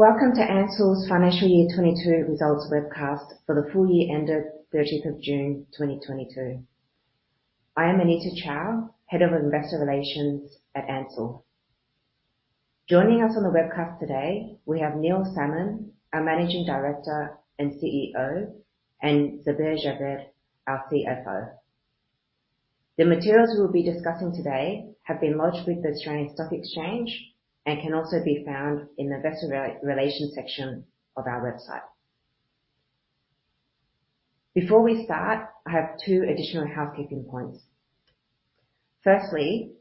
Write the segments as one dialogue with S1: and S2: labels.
S1: Welcome to Ansell's Financial Year 2022 results webcast for the full year ended June 30th, 2022. I am Anita Chow, Head of Investor Relations at Ansell. Joining us on the webcast today, we have Neil Salmon, our Managing Director and CEO, and Zubair Javeed, our CFO. The materials we'll be discussing today have been lodged with the Australian Stock Exchange and can also be found in the investor relations section of our website. Before we start, I have two additional housekeeping points. Firstly,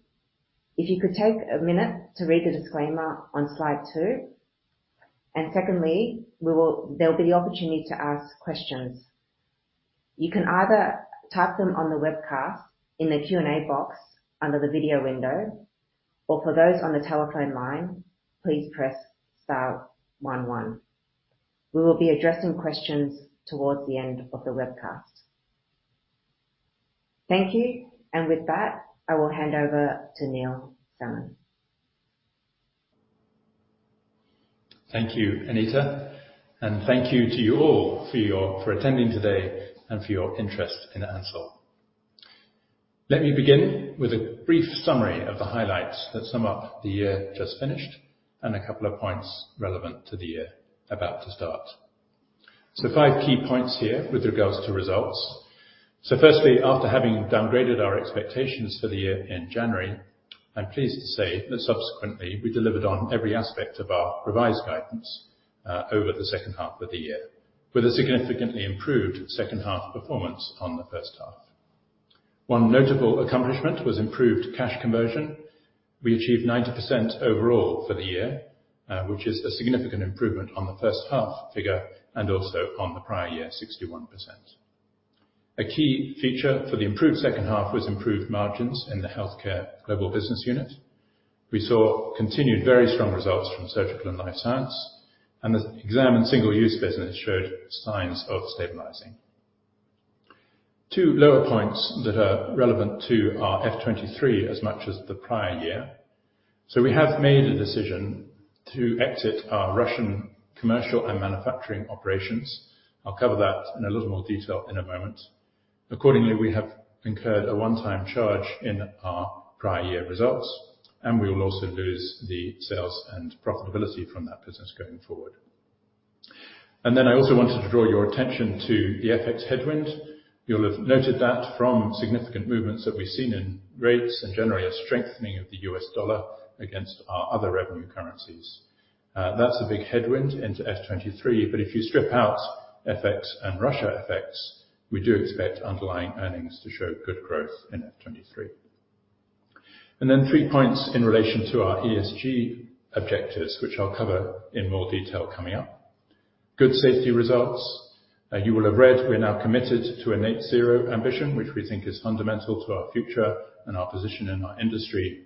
S1: if you could take a minute to read the disclaimer on slide two, and secondly, there'll be the opportunity to ask questions. You can either type them on the webcast in the Q&A box under the video window, or for those on the telephone line, please press star one, one. We will be addressing questions towards the end of the webcast. Thank you. With that, I will hand over to Neil Salmon.
S2: Thank you, Anita, and thank you to you all for your attending today and for your interest in Ansell. Let me begin with a brief summary of the highlights that sum up the year just finished and a couple of points relevant to the year about to start. Five key points here with regards to results. Firstly, after having downgraded our expectations for the year in January, I'm pleased to say that subsequently we delivered on every aspect of our revised guidance over the second half of the year with a significantly improved second half performance on the first half. One notable accomplishment was improved cash conversion. We achieved 90% overall for the year, which is a significant improvement on the first half figure and also on the prior year, 61%. A key feature for the improved second half was improved margins in the Healthcare Global Business Unit. We saw continued very strong results from Surgical and Life Science, and the Exam single-use business showed signs of stabilizing. Two lower points that are relevant to our FY 2023 as much as the prior year. We have made a decision to exit our Russian commercial and manufacturing operations. I'll cover that in a little more detail in a moment. Accordingly, we have incurred a one-time charge in our prior year results, and we will also lose the sales and profitability from that business going forward. I also wanted to draw your attention to the FX headwind. You'll have noted that, from significant movements that we've seen in rates and generally a strengthening of the U.S. dollar against our other revenue currencies. That's a big headwind into FY 2023, but if you strip out FX and Russia effects, we do expect underlying earnings to show good growth in FY 2023. Three points in relation to our ESG objectives, which I'll cover in more detail coming up. Good safety results. You will have read, we're now committed to a Net Zero ambition, which we think is fundamental to our future and our position in our industry.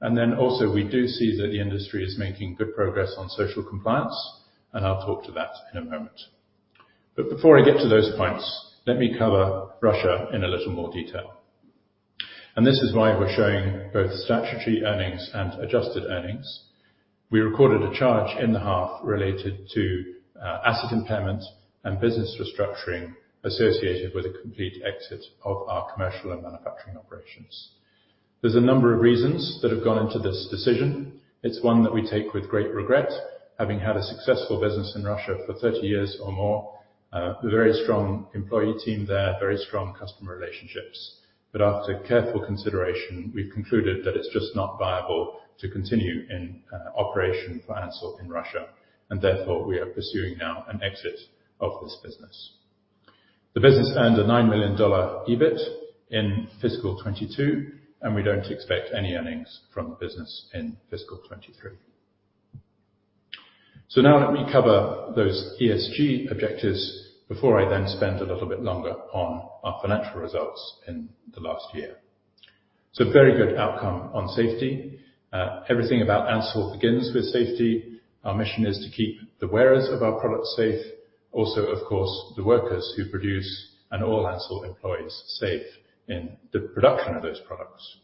S2: We do see that the industry is making good progress on social compliance, and I'll talk to that in a moment. Before I get to those points, let me cover Russia in a little more detail. This is why we're showing both statutory earnings and adjusted earnings. We recorded a charge in the half related to asset impairment and business restructuring associated with a complete exit of our commercial and manufacturing operations. There's a number of reasons that have gone into this decision. It's one that we take with great regret, having had a successful business in Russia for 30 years or more. Very strong employee team there, very strong customer relationships. After careful consideration, we've concluded that it's just not viable to continue in operation for Ansell in Russia, and therefore we are pursuing now an exit of this business. The business earned an 9 million dollar EBIT in fiscal 2022, and we don't expect any earnings from the business in fiscal 2023. Now let me cover those ESG objectives before I then spend a little bit longer on our financial results in the last year. Very good outcome on safety. Everything about Ansell begins with safety. Our mission is to keep the wearers of our products safe, also, of course, the workers who produce and all Ansell employees safe in the production of those products.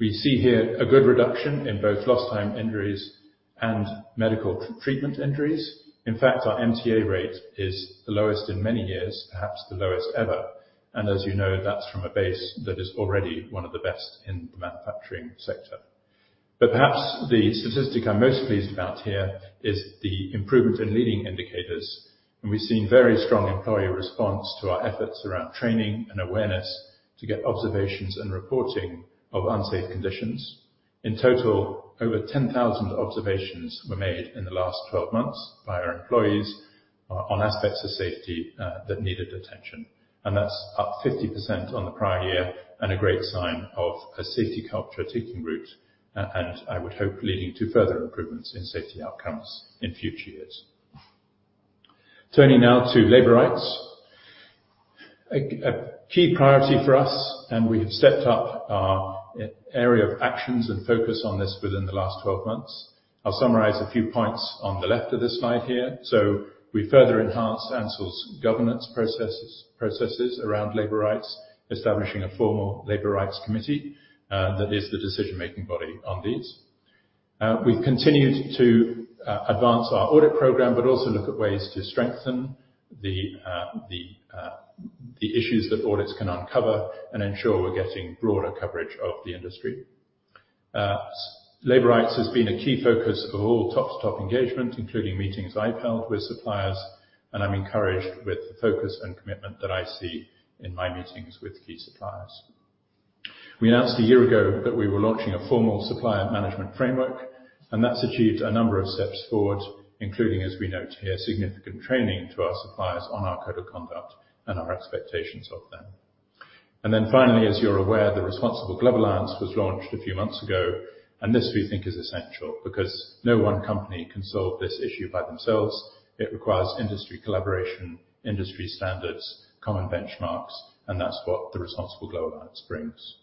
S2: We see here a good reduction in both lost time injuries and medical treatment injuries. In fact, our MTA rate is the lowest in many years, perhaps the lowest ever, and as you know, that's from a base that is already one of the best in the manufacturing sector. But perhaps the statistic I'm most pleased about here is the improvement in leading indicators. We've seen very strong employee response to our efforts around training and awareness to get observations and reporting of unsafe conditions. In total, over 10,000 observations were made in the last 12 months by our employees on aspects of safety that needed attention, and that's up 50% on the prior year and a great sign of a safety culture taking root, and I would hope leading to further improvements in safety outcomes in future years. Turning now to labor rights. A key priority for us, and we have stepped up our area of actions and focus on this within the last 12 months. I'll summarize a few points on the left of this slide here. We further enhanced Ansell's governance processes around labor rights, establishing a formal labor rights committee that is the decision-making body on these. We've continued to advance our audit program, but also look at ways to strengthen the issues that audits can uncover and ensure we're getting broader coverage of the industry. Labor rights has been a key focus of all top-to-top engagement, including meetings I've held with suppliers, and I'm encouraged with the focus and commitment that I see in my meetings with key suppliers. We announced a year ago that we were launching a formal supplier management framework, and that's achieved a number of steps forward, including, as we note here, significant training to our suppliers on our code of conduct and our expectations of them. Finally, as you're aware, the Responsible Glove Alliance was launched a few months ago, and this we think is essential because no one company can solve this issue by themselves. It requires industry collaboration, industry standards, common benchmarks, and that's what the Responsible Glove Alliance brings.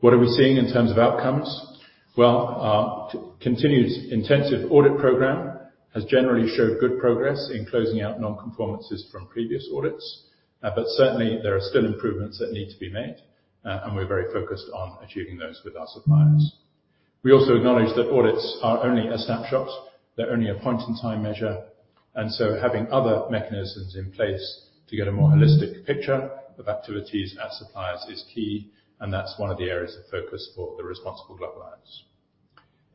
S2: What are we seeing in terms of outcomes? Well, our continued intensive audit program has generally showed good progress in closing out non-conformances from previous audits. But certainly there are still improvements that need to be made, and we're very focused on achieving those with our suppliers. We also acknowledge that audits are only a snapshot. They're only a point-in-time measure, and so having other mechanisms in place to get a more holistic picture of activities at suppliers is key, and that's one of the areas of focus for the Responsible Glove Alliance.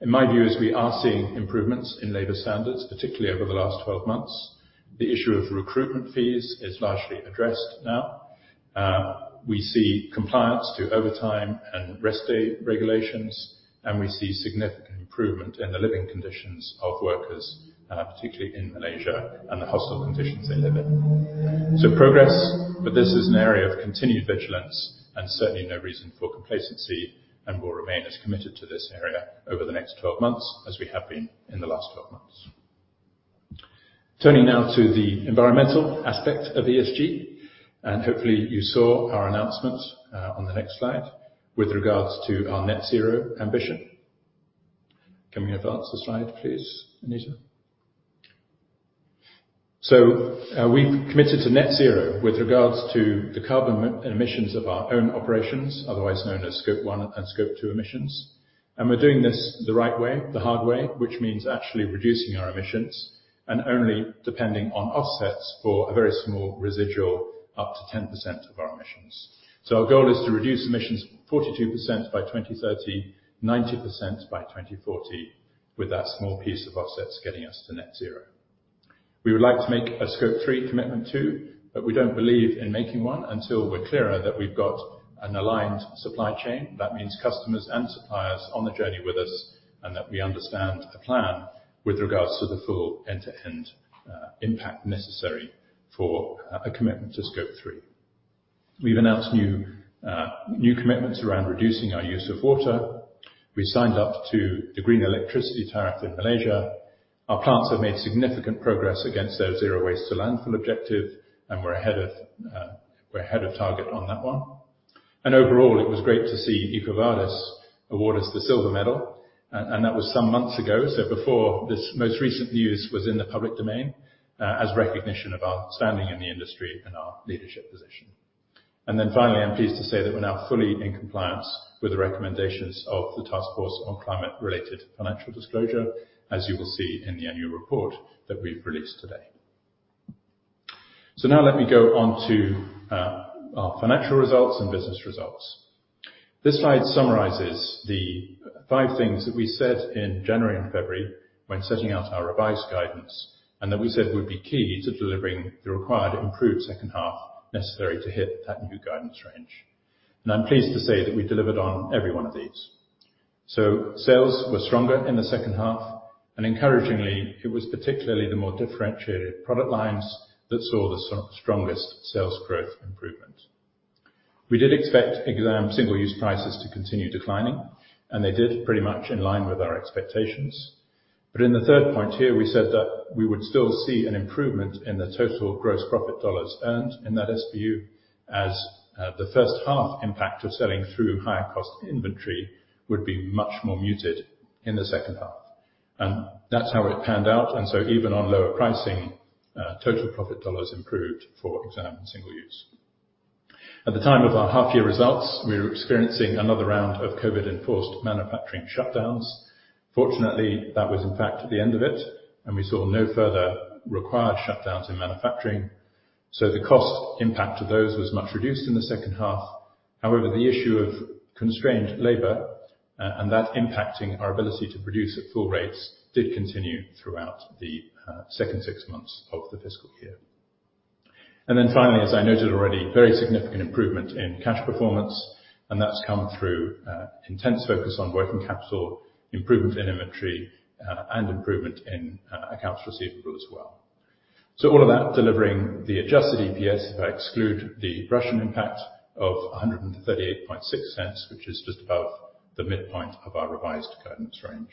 S2: In my view is we are seeing improvements in labor standards, particularly over the last 12 months. The issue of recruitment fees is largely addressed now. We see compliance to overtime and rest day regulations, and we see significant improvement in the living conditions of workers, particularly in Malaysia and the hostel conditions they live in. Progress, but this is an area of continued vigilance and certainly no reason for complacency and will remain as committed to this area over the next 12 months as we have been in the last 12 months. Turning now to the environmental aspect of ESG, and hopefully you saw our announcement on the next slide with regards to our Net Zero ambition. Can we advance the slide, please, Anita? We've committed to net zero with regards to the carbon emissions of our own operations, otherwise known as Scope 1 and Scope 2 emissions. We're doing this the right way, the hard way, which means actually reducing our emissions and only depending on offsets for a very small residual up to 10% of our emissions. Our goal is to reduce emissions 42% by 2030, 90% by 2040, with that small piece of offsets getting us to net zero. We would like to make a Scope 3 commitment too, but we don't believe in making one until we're clearer that we've got an aligned supply chain. That means customers and suppliers on the journey with us and that we understand the plan with regards to the full end-to-end impact necessary for a commitment to Scope 3. We've announced new commitments around reducing our use of water. We signed up to the green electricity tariff in Malaysia. Our plants have made significant progress against their zero waste to landfill objective, and we're ahead of target on that one. Overall, it was great to see EcoVadis award us the silver medal. That was some months ago, so before this most recent news was in the public domain, as recognition of our standing in the industry and our leadership position. Finally, I'm pleased to say that we're now fully in compliance with the recommendations of the Task Force on Climate-related Financial Disclosures, as you will see in the annual report that we've released today. Now let me go on to our financial results and business results. This slide summarizes the five things that we said in January and February when setting out our revised guidance and that we said would be key to delivering the required improved second half necessary to hit that new guidance range. I'm pleased to say that we delivered on every one of these. Sales were stronger in the second half, and encouragingly, it was particularly the more differentiated product lines that saw the strongest sales growth improvement. We did expect Exam Single-Use prices to continue declining, and they did pretty much in line with our expectations. In the third point here, we said that we would still see an improvement in the total gross profit dollars earned in that SBU as the first half impact of selling through higher cost inventory would be much more muted in the second half. That's how it panned out, and even on lower pricing, total profit dollars improved for Exam Single Use. At the time of our half-year results, we were experiencing another round of COVID-enforced manufacturing shutdowns. Fortunately, that was in fact the end of it, and we saw no further required shutdowns in manufacturing. The cost impact to those was much reduced in the second half. However, the issue of constrained labor and that impacting our ability to produce at full rates did continue throughout the second six months of the fiscal year. Then finally, as I noted already, very significant improvement in cash performance, and that's come through intense focus on working capital, improvement in inventory, and improvement in accounts receivable as well. All of that delivering the adjusted EPS, if I exclude the Russian impact of 138.6, which is just above the midpoint of our revised guidance range.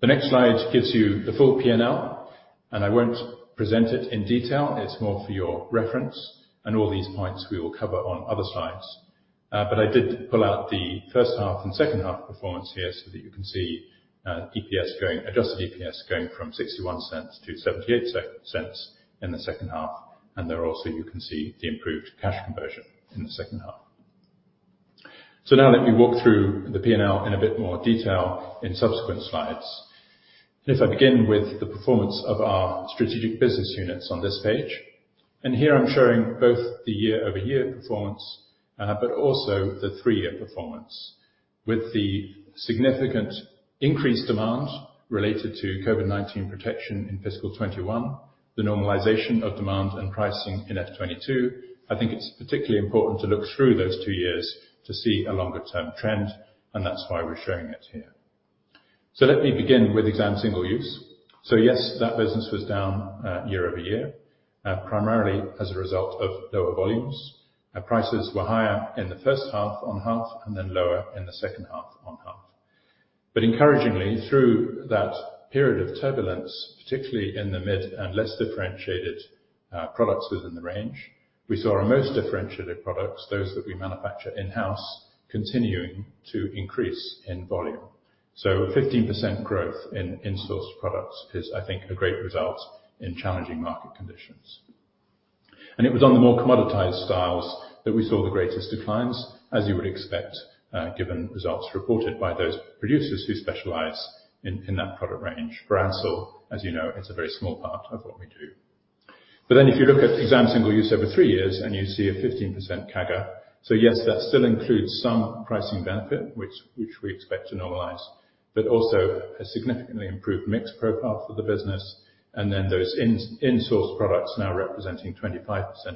S2: The next slide gives you the full P&L, and I won't present it in detail. It's more for your reference. All these points we will cover on other slides. I did pull out the first half and second half performance here so that you can see, adjusted EPS going from 0.61 to 0.78 in the second half. There also you can see the improved cash conversion in the second half. Now let me walk through the P&L in a bit more detail in subsequent slides. If I begin with the performance of our strategic business units on this page, and here I'm showing both the year-over-year performance, but also the three-year performance. With the significant increased demand related to COVID-19 protection in fiscal 2021, the normalization of demand and pricing in FY 2022, I think it's particularly important to look through those two years to see a longer-term trend, and that's why we're showing it here. Let me begin with Exam Single Use. Yes, that business was down year-over-year, primarily as a result of lower volumes. Our prices were higher in the first half and then lower in the second half. Encouragingly, through that period of turbulence, particularly in the mid and less differentiated products within the range, we saw our most differentiated products, those that we manufacture in-house, continuing to increase in volume. A 15% growth in in-house products is, I think, a great result in challenging market conditions. It was on the more commoditized styles that we saw the greatest declines, as you would expect, given results reported by those producers who specialize in that product range. For Ansell, as you know, it's a very small part of what we do. If you look at Exam Single Use over three years and you see a 15% CAGR. Yes, that still includes some pricing benefit, which we expect to normalize, but also a significantly improved mix profile for the business, and then those in-source products now representing 25%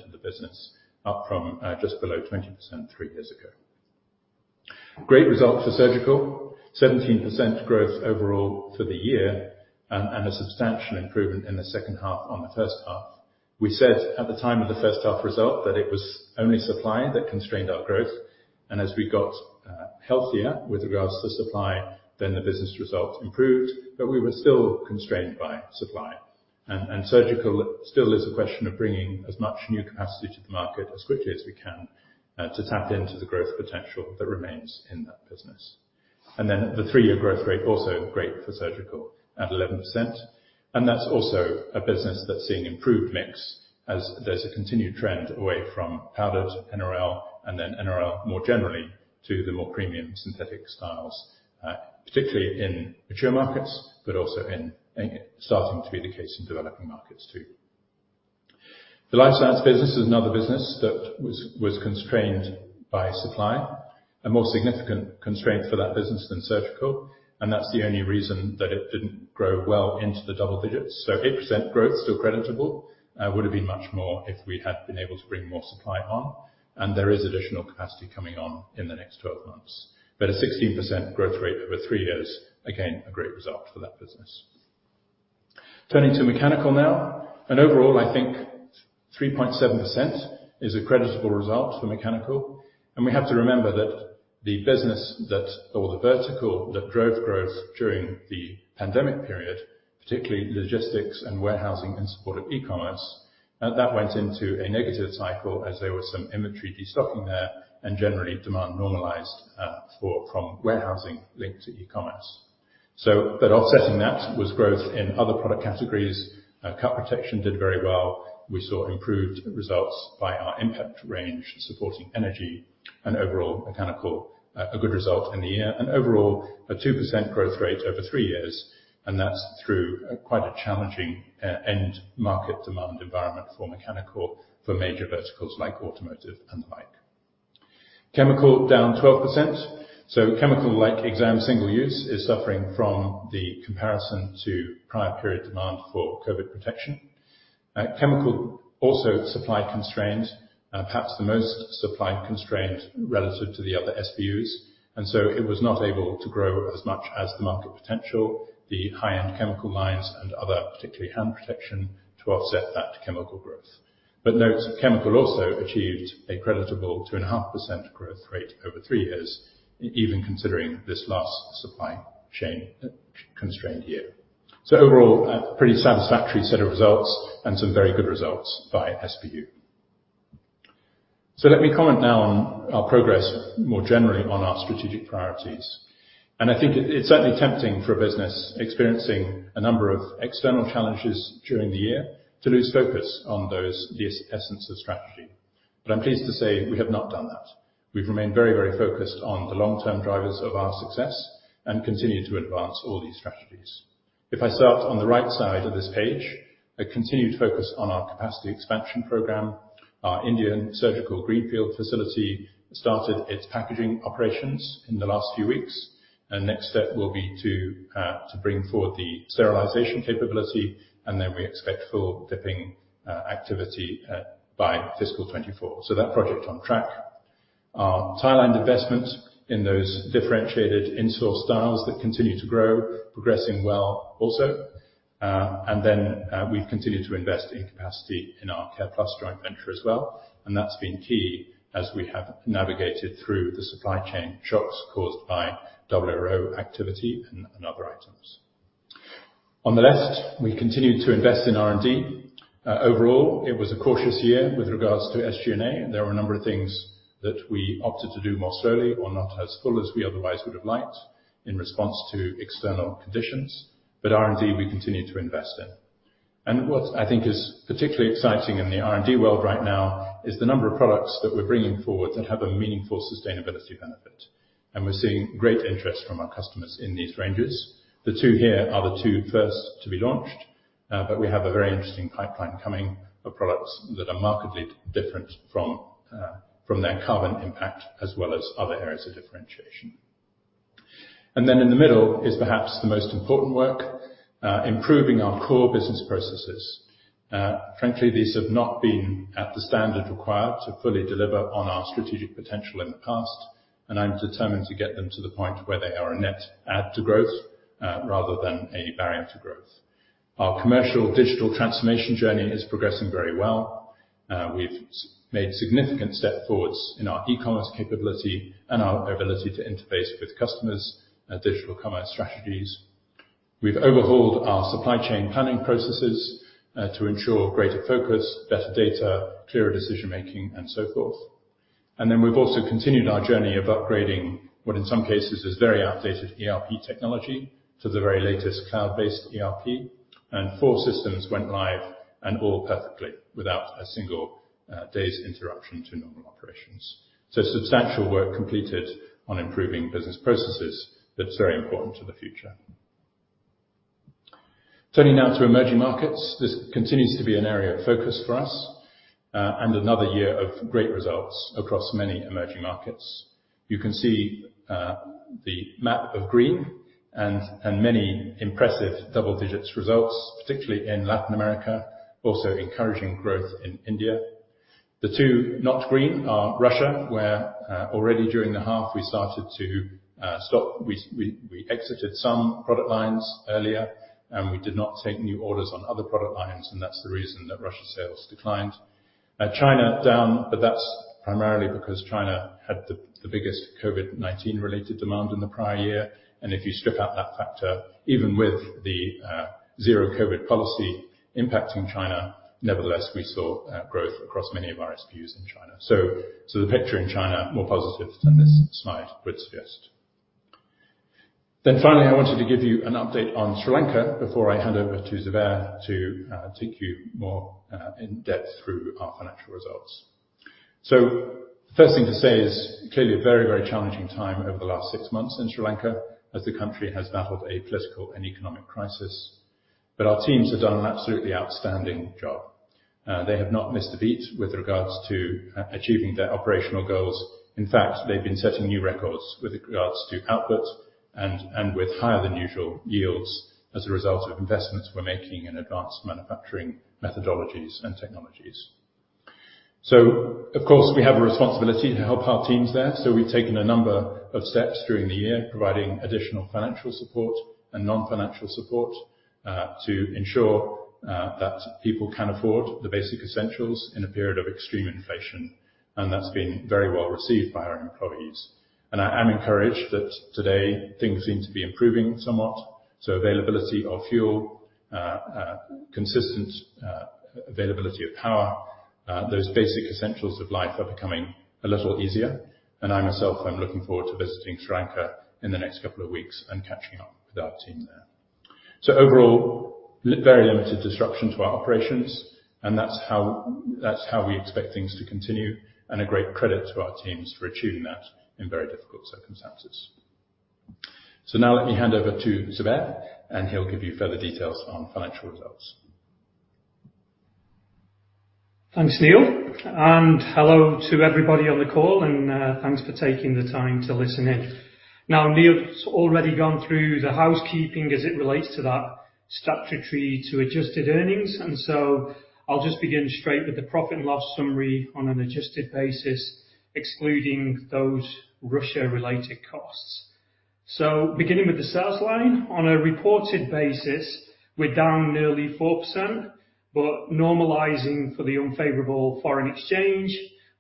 S2: of the business, up from just below 20% three years ago. Great result for Surgical. 17% growth overall for the year, and a substantial improvement in the second half on the first half. We said at the time of the first half result that it was only supply that constrained our growth. As we got healthier with regards to supply, then the business result improved, but we were still constrained by supply. Surgical still is a question of bringing as much new capacity to the market as quickly as we can to tap into the growth potential that remains in that business. The three-year growth rate also great for Surgical at 11%. That's also a business that's seeing improved mix as there's a continued trend away from powdered NRL and then NRL more generally to the more premium synthetic styles, particularly in mature markets, but also starting to be the case in developing markets too. The Life Science business is another business that was constrained by supply, a more significant constraint for that business than Surgical, and that's the only reason that it didn't grow well into the double digits. 8% growth, still creditable, would have been much more if we had been able to bring more supply on, and there is additional capacity coming on in the next 12 months. A 16% growth rate over three years, again, a great result for that business. Turning to mechanical now. Overall, I think 3.7% is a creditable result for mechanical. We have to remember that the vertical that drove growth during the pandemic period, particularly logistics and warehousing in support of e-commerce, that went into a negative cycle as there was some inventory destocking there and generally demand normalized, from warehousing linked to e-commerce. But offsetting that was growth in other product categories. Cut protection did very well. We saw improved results by our impact range supporting energy and overall mechanical, a good result in the year. Overall, a 2% growth rate over three years, and that's through quite a challenging end market demand environment for mechanical for major verticals like automotive and the like. Chemical down 12%. Chemical like Exam Single Use is suffering from the comparison to prior period demand for COVID protection. Chemical also supply constrained, perhaps the most supply constrained relative to the other SBUs, and so it was not able to grow as much as the market potential, the high-end chemical lines and other particularly hand protection to offset that chemical growth. Note, chemical also achieved a creditable 2.5% growth rate over three years, even considering this last supply chain constrained year. Overall, a pretty satisfactory set of results and some very good results by SBU. Let me comment now on our progress more generally on our strategic priorities. I think it's certainly tempting for a business experiencing a number of external challenges during the year to lose focus on those, the essence of strategy. I'm pleased to say we have not done that. We've remained very, very focused on the long-term drivers of our success and continue to advance all these strategies. If I start on the right side of this page, a continued focus on our capacity expansion program. Our Indian surgical greenfield facility started its packaging operations in the last few weeks. Our next step will be to bring forward the sterilization capability, and then we expect full dipping activity by fiscal 2024. So that project on track. Our Thailand investment in those differentiated in-source styles that continue to grow, progressing well also. We've continued to invest in capacity in our Careplus Joint Venture as well, and that's been key as we have navigated through the supply chain shocks caused by Omicron activity and other items. On the left, we continued to invest in R&D. Overall, it was a cautious year with regards to SG&A, and there were a number of things that we opted to do more slowly or not as full as we otherwise would have liked in response to external conditions. R&D, we continued to invest in. What I think is particularly exciting in the R&D world right now is the number of products that we're bringing forward that have a meaningful sustainability benefit. We're seeing great interest from our customers in these ranges. The two here are the two first to be launched, but we have a very interesting pipeline coming of products that are markedly different from their carbon impact, as well as other areas of differentiation. Then in the middle is perhaps the most important work, improving our core business processes. Frankly, these have not been at the standard required to fully deliver on our strategic potential in the past, and I'm determined to get them to the point where they are a net add to growth, rather than a barrier to growth. Our commercial digital transformation journey is progressing very well. We've made significant steps forward in our e-commerce capability and our ability to interface with customers' digital commerce strategies. We've overhauled our supply chain planning processes to ensure greater focus, better data, clearer decision-making, and so forth. We've also continued our journey of upgrading what in some cases is very outdated ERP technology to the very latest cloud-based ERP. Four systems went live and all perfectly without a single day's interruption to normal operations. Substantial work completed on improving business processes that's very important to the future. Turning now to emerging markets. This continues to be an area of focus for us, and another year of great results across many emerging markets. You can see the map of green and many impressive double digits results, particularly in Latin America, also encouraging growth in India. The two not green are Russia, where already during the half we started to stop. We exited some product lines earlier, and we did not take new orders on other product lines, and that's the reason that Russia sales declined. China down, but that's primarily because China had the biggest COVID-19 related demand in the prior year. If you strip out that factor, even with the zero COVID policy impacting China, nevertheless, we saw growth across many of our SKUs in China. The picture in China more positive than this slide would suggest. Finally, I wanted to give you an update on Sri Lanka before I hand over to Zubair to take you more in-depth through our financial results. The first thing to say is clearly a very challenging time over the last six months in Sri Lanka as the country has battled a political and economic crisis, but our teams have done an absolutely outstanding job. They have not missed a beat with regards to achieving their operational goals. In fact, they've been setting new records with regards to output and with higher than usual yields as a result of investments we're making in advanced manufacturing methodologies and technologies. Of course, we have a responsibility to help our teams there. We've taken a number of steps during the year providing additional financial support and non-financial support to ensure that people can afford the basic essentials in a period of extreme inflation. That's been very well received by our employees. I am encouraged that today things seem to be improving somewhat. Availability of fuel, consistent availability of power, those basic essentials of life are becoming a little easier. I myself am looking forward to visiting Sri Lanka in the next couple of weeks and catching up with our team there. Overall, very limited disruption to our operations and that's how we expect things to continue and a great credit to our teams for achieving that in very difficult circumstances. Now let me hand over to Zubair, and he'll give you further details on financial results.
S3: Thanks, Neil, and hello to everybody on the call, and thanks for taking the time to listen in. Now, Neil's already gone through the housekeeping as it relates to that statutory to adjusted earnings, and so I'll just begin straight with the profit and loss summary on an adjusted basis, excluding those Russia related costs. Beginning with the sales line, on a reported basis, we're down nearly 4%, but normalizing for the unfavorable foreign exchange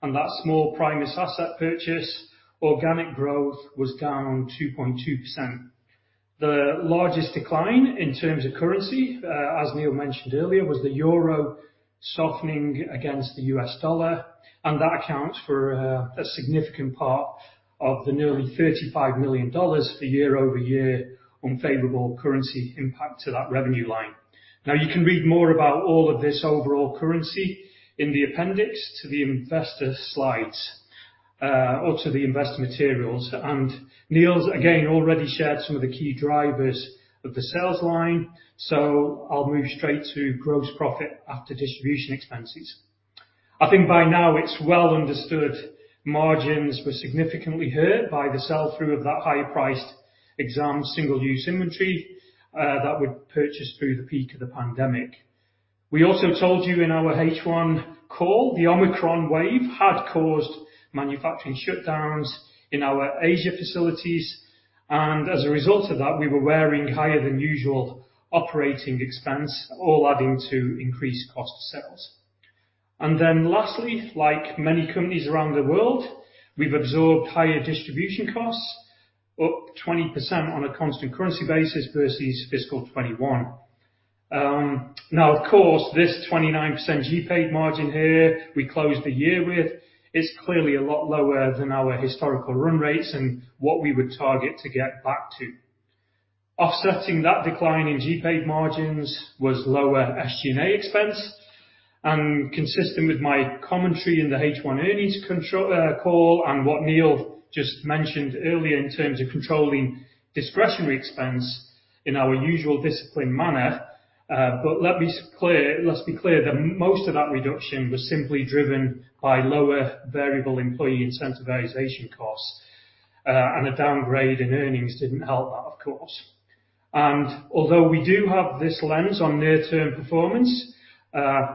S3: and that small Primus asset purchase, organic growth was down 2.2%. The largest decline in terms of currency, as Neil mentioned earlier, was the euro softening against the U.S. dollar, and that accounts for a significant part of the nearly $35 million year-over-year unfavorable currency impact to that revenue line. Now, you can read more about all of this overall currency in the appendix to the investor slides, or to the investor materials. Neil's, again, already shared some of the key drivers of the sales line. I'll move straight to gross profit after distribution expenses. I think by now it's well understood margins were significantly hurt by the sell-through of that high-priced exam, single-use inventory, that we purchased through the peak of the pandemic. We also told you in our H1 call, the Omicron wave had caused manufacturing shutdowns in our Asian facilities, and as a result of that, we were bearing higher than usual operating expenses, all adding to increased cost of sales. Lastly, like many companies around the world, we've absorbed higher distribution costs, up 20% on a constant currency basis versus fiscal 2021. Now of course, this 29% GP margin here we closed the year with is clearly a lot lower than our historical run rates and what we would target to get back to. Offsetting that decline in GP margins was lower SG&A expense, and consistent with my commentary in the H1 earnings call and what Neil just mentioned earlier in terms of controlling discretionary expense in our usual disciplined manner. Let's be clear that most of that reduction was simply driven by lower variable employee incentivization costs, and a downgrade in earnings didn't help that, of course. Although we do have this lens on near-term performance,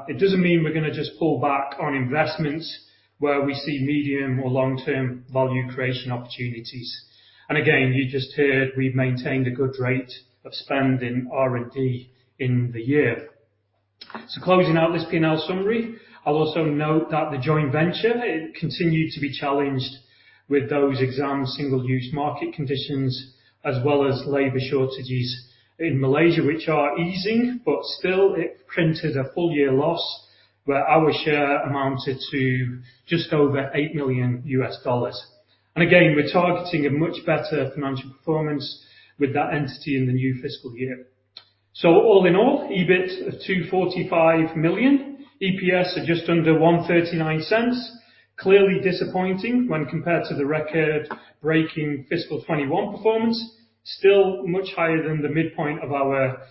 S3: it doesn't mean we're gonna just pull back on investments where we see medium or long-term value creation opportunities. You just heard we've maintained a good rate of spend in R&D in the year. Closing out this P&L summary, I'll also note that the joint venture, it continued to be challenged with those Exam Single Use market conditions as well as labor shortages in Malaysia, which are easing, but still it printed a full year loss where our share amounted to just over $8 million. We're targeting a much better financial performance with that entity in the new fiscal year. All in all, EBIT of $245 million, EPS are just under $1.39. Clearly disappointing when compared to the record-breaking fiscal 2021 performance, still much higher than the midpoint of our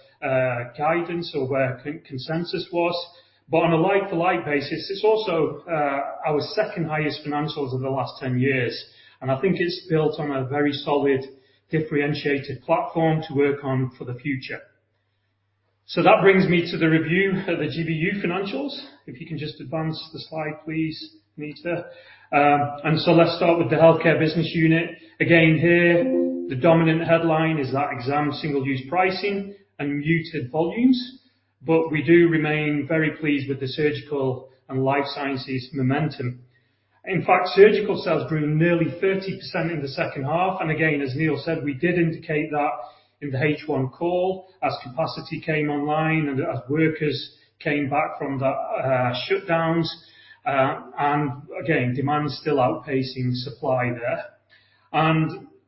S3: guidance or where consensus was. On a like-for-like basis, it's also our second highest financials in the last 10 years, and I think it's built on a very solid differentiated platform to work on for the future. That brings me to the review of the GBU financials. If you can just advance the slide please, Anita. Let's start with the healthcare business unit. Again here, the dominant headline is that Exam Single Use pricing and muted volumes. We do remain very pleased with the Surgical and Life Science momentum. In fact, Surgical sales grew nearly 30% in the second half. As Neil said, we did indicate that in the H1 call as capacity came online and as workers came back from the shutdowns. Demand is still outpacing supply there.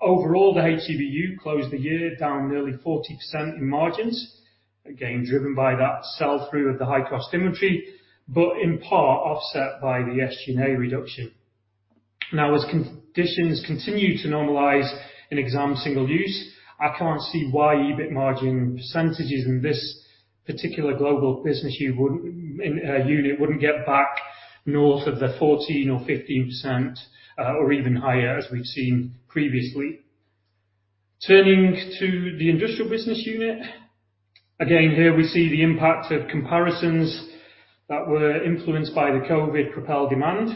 S3: Overall, the HGBU closed the year down nearly 40% in margins, again, driven by that sell through of the high-cost inventory, but in part offset by the SG&A reduction. Now, as conditions continue to normalize in Exam Single Use, I can't see why EBIT margin percentages in this particular global business unit wouldn't get back north of the 14% or 15%, or even higher as we've seen previously. Turning to the industrial business unit, again, here we see the impact of comparisons that were influenced by the COVID propelled demand.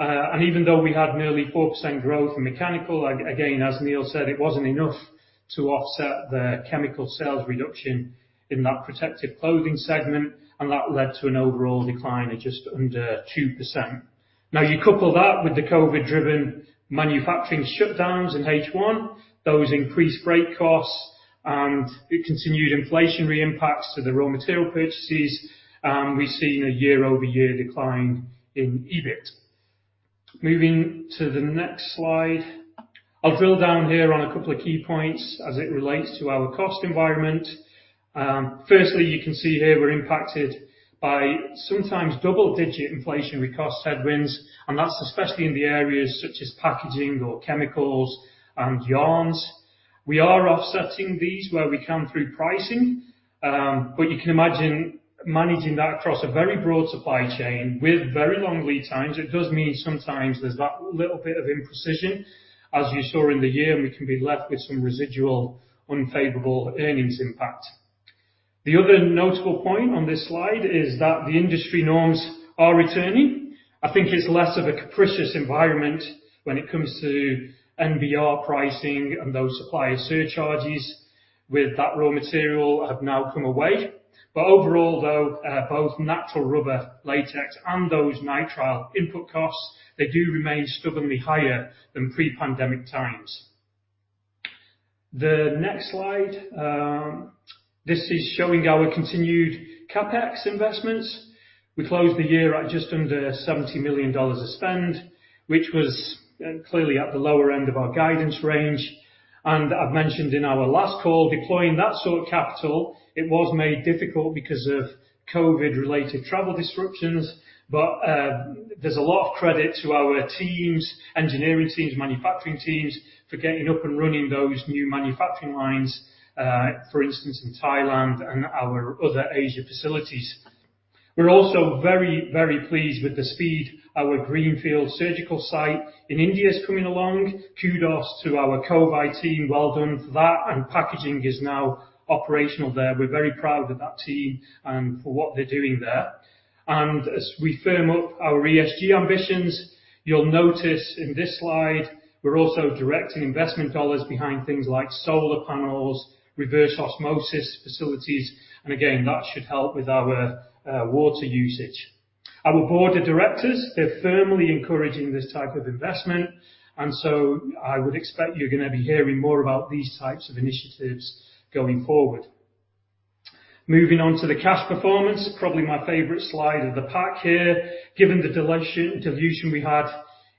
S3: Even though we had nearly 4% growth in mechanical, again, as Neil said, it wasn't enough to offset the chemical sales reduction in that protective clothing segment, and that led to an overall decline of just under 2%. Now, you couple that with the COVID driven manufacturing shutdowns in H1, those increased break costs and the continued inflationary impacts to the raw material purchases, and we've seen a year-over-year decline in EBIT. Moving to the next slide, I'll drill down here on a couple of key points as it relates to our cost environment. Firstly, you can see here we're impacted by sometimes double-digit inflationary cost headwinds, and that's especially in the areas such as packaging or chemicals and yarns. We are offsetting these where we can through pricing, but you can imagine managing that across a very broad supply chain with very long lead times. It does mean sometimes there's that little bit of imprecision. As you saw in the year, we can be left with some residual unfavorable earnings impact. The other notable point on this slide is that the industry norms are returning. I think it's less of a capricious environment when it comes to NBR pricing and those supplier surcharges with that raw material have now come away. Overall though, both natural rubber latex and those nitrile input costs, they do remain stubbornly higher than pre-pandemic times. The next slide, this is showing our continued CapEx investments. We closed the year at just under 70 million dollars of spend, which was, clearly at the lower end of our guidance range. I've mentioned in our last call deploying that sort of capital, it was made difficult because of COVID related travel disruptions. There's a lot of credit to our teams, engineering teams, manufacturing teams for getting up and running those new manufacturing lines, for instance in Thailand and our other Asia facilities. We're also very, very pleased with the speed our Greenfield surgical site in India is coming along. Kudos to our COVID team. Well done for that, and packaging is now operational there. We're very proud of that team and for what they're doing there. As we firm up our ESG ambitions, you'll notice in this slide we're also directing investment dollars behind things like solar panels, reverse osmosis facilities, and again, that should help with our water usage. Our board of directors, they're firmly encouraging this type of investment, and so I would expect you're gonna be hearing more about these types of initiatives going forward. Moving on to the cash performance, probably my favorite slide of the pack here. Given the dilution we had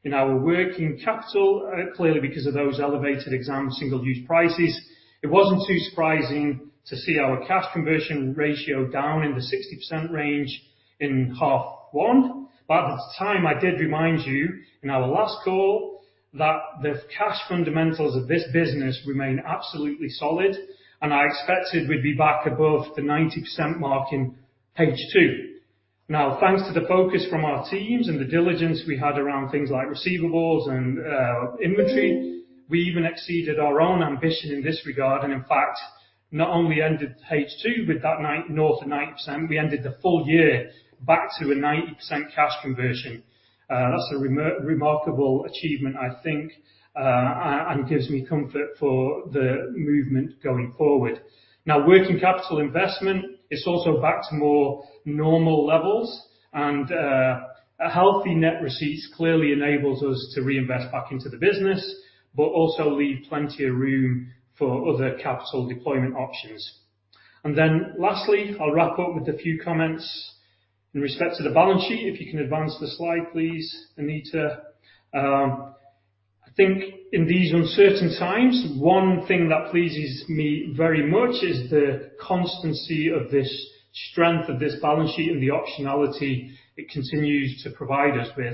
S3: in our working capital, clearly because of those elevated Exam Single Use prices, it wasn't too surprising to see our cash conversion ratio down in the 60% range in H1. But at the time, I did remind you in our last call that the cash fundamentals of this business remain absolutely solid, and I expected we'd be back above the 90% mark in H2. Now, thanks to the focus from our teams and the diligence we had around things like receivables and inventory, we even exceeded our own ambition in this regard. In fact, not only ended H2 with that north of 9%, we ended the full year back to a 90% cash conversion. That's a remarkable achievement, I think, and gives me comfort for the movement going forward. Now, working capital investment is also back to more normal levels and a healthy net receipts clearly enables us to reinvest back into the business, but also leave plenty of room for other capital deployment options. Then lastly, I'll wrap up with a few comments in respect to the balance sheet. If you can advance the slide, please, Anita. I think in these uncertain times, one thing that pleases me very much is the constancy of the strength of this balance sheet and the optionality it continues to provide us with.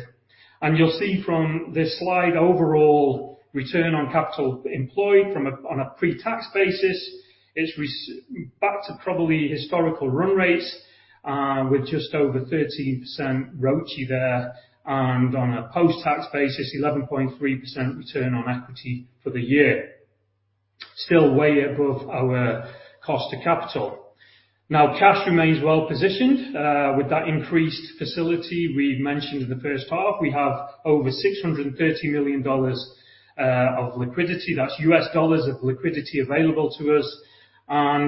S3: You'll see from this slide, overall return on capital employed on a pre-tax basis, it's back to probably historical run rates, with just over 13% ROCE there. On a post-tax basis, 11.3% return on equity for the year. Still way above our cost of capital. Cash remains well-positioned, with that increased facility we mentioned in the first half. We have over $630 million of liquidity. That's U.S. dollars of liquidity available to us.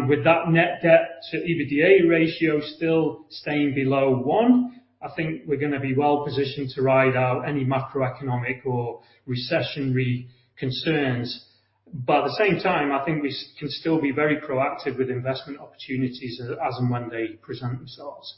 S3: With that net debt to EBITDA ratio still staying below one, I think we're gonna be well positioned to ride out any macroeconomic or recessionary concerns. At the same time, I think we can still be very proactive with investment opportunities as and when they present themselves.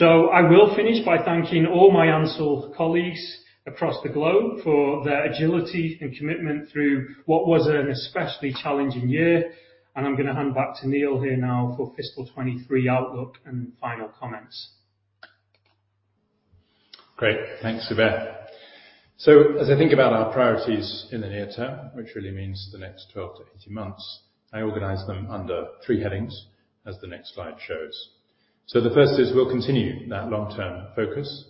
S3: I will finish by thanking all my Ansell colleagues across the globe for their agility and commitment through what was an especially challenging year. I'm gonna hand back to Neil here now for fiscal 2023 outlook and final comments.
S2: Great. Thanks, Zubair. As I think about our priorities in the near term, which really means the next 12 months-18 months, I organize them under three headings as the next slide shows. The first is we'll continue that long-term focus.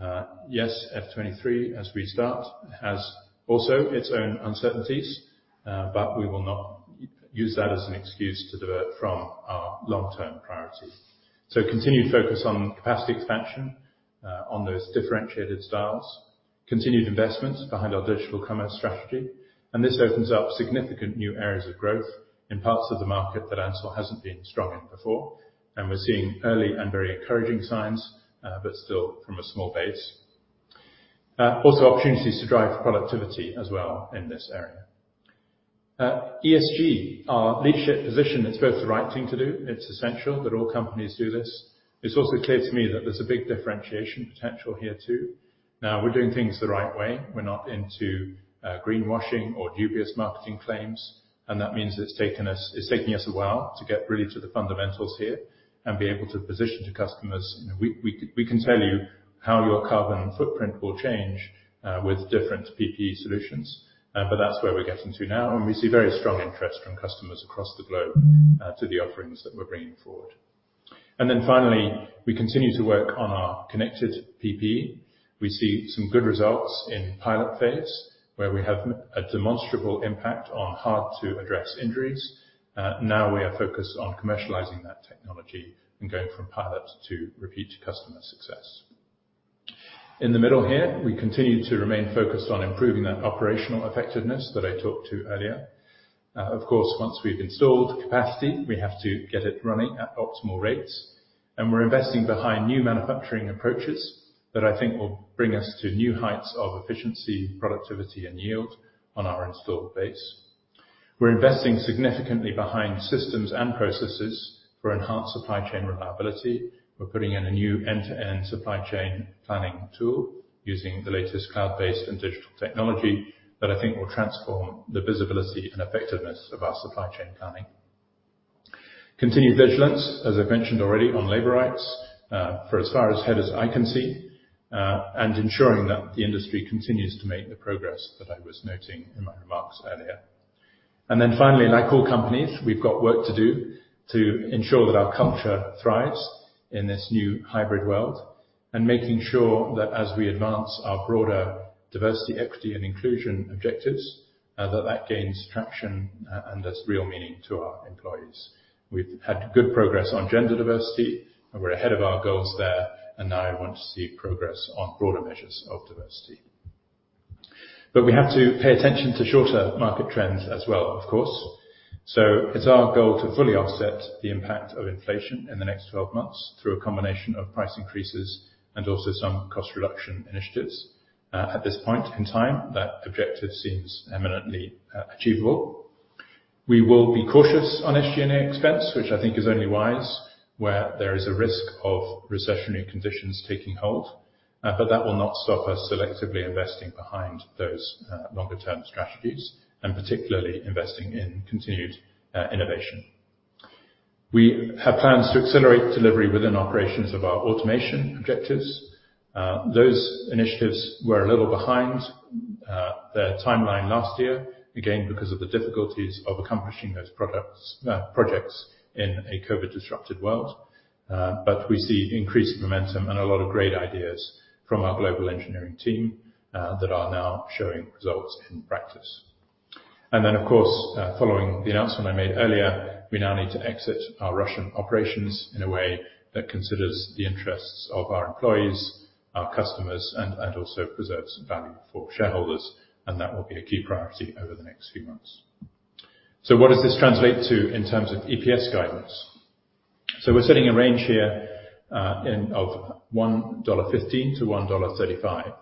S2: FY 2023 as we start has also its own uncertainties, but we will not use that as an excuse to divert from our long-term priorities. Continued focus on capacity expansion on those differentiated styles, continued investments behind our digital commerce strategy. This opens up significant new areas of growth in parts of the market that Ansell hasn't been strong in before. We're seeing early and very encouraging signs, but still from a small base. Also opportunities to drive productivity as well in this area. ESG, our leadership position. It's both the right thing to do. It's essential that all companies do this. It's also clear to me that there's a big differentiation potential here too. Now we're doing things the right way. We're not into greenwashing or dubious marketing claims, and that means it's taking us a while to get really to the fundamentals here and be able to position to customers. You know, we can tell you how your carbon footprint will change with different PPE solutions. But that's where we're getting to now, and we see very strong interest from customers across the globe to the offerings that we're bringing forward. Finally, we continue to work on our connected PPE. We see some good results in pilot phase where we have a demonstrable impact on hard to address injuries. Now we are focused on commercializing that technology and going from pilot to repeat customer success. In the middle here, we continue to remain focused on improving that operational effectiveness that I talked to earlier. Of course, once we've installed capacity, we have to get it running at optimal rates, and we're investing behind new manufacturing approaches that I think will bring us to new heights of efficiency, productivity, and yield on our installed base. We're investing significantly behind systems and processes for enhanced supply chain reliability. We're putting in a new end-to-end supply chain planning tool using the latest cloud-based and digital technology that I think will transform the visibility and effectiveness of our supply chain planning. Continued vigilance, as I've mentioned already, on labor rights, for as far ahead as I can see, and ensuring that the industry continues to make the progress that I was noting in my remarks earlier. Then finally, like all companies, we've got work to do to ensure that our culture thrives in this new hybrid world, and making sure that as we advance our broader diversity, equity, and inclusion objectives, that that gains traction and has real meaning to our employees. We've had good progress on gender diversity, and we're ahead of our goals there, and now I want to see progress on broader measures of diversity. We have to pay attention to shorter market trends as well of course. It's our goal to fully offset the impact of inflation in the next 12 months through a combination of price increases and also some cost reduction initiatives. At this point in time, that objective seems eminently achievable. We will be cautious on SG&A expense, which I think is only wise, where there is a risk of recessionary conditions taking hold. That will not stop us selectively investing behind those longer term strategies, and particularly investing in continued innovation. We have plans to accelerate delivery within operations of our automation objectives. Those initiatives were a little behind their timeline last year, again, because of the difficulties of accomplishing those projects in a COVID disrupted world. We see increased momentum and a lot of great ideas from our global engineering team that are now showing results in practice. Of course, following the announcement I made earlier, we now need to exit our Russian operations in a way that considers the interests of our employees, our customers, and also preserves some value for shareholders, and that will be a key priority over the next few months. What does this translate to in terms of EPS guidance? We're setting a range here of 1.15-1.35 dollar.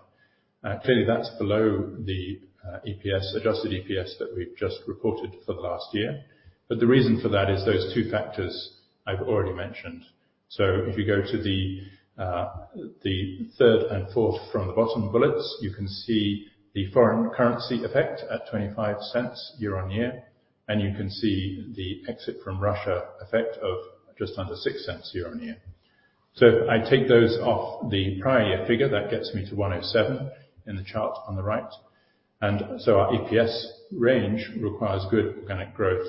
S2: Clearly that's below the EPS, adjusted EPS that we've just reported for the last year. The reason for that is those two factors I've already mentioned. If you go to the third and fourth from the bottom bullets, you can see the foreign currency effect at 0.25 year-on-year, and you can see the exit from Russia effect of just under 0.06 year-on-year. I take those off the prior year figure. That gets me to 1.07 in the chart on the right. Our EPS range requires good organic growth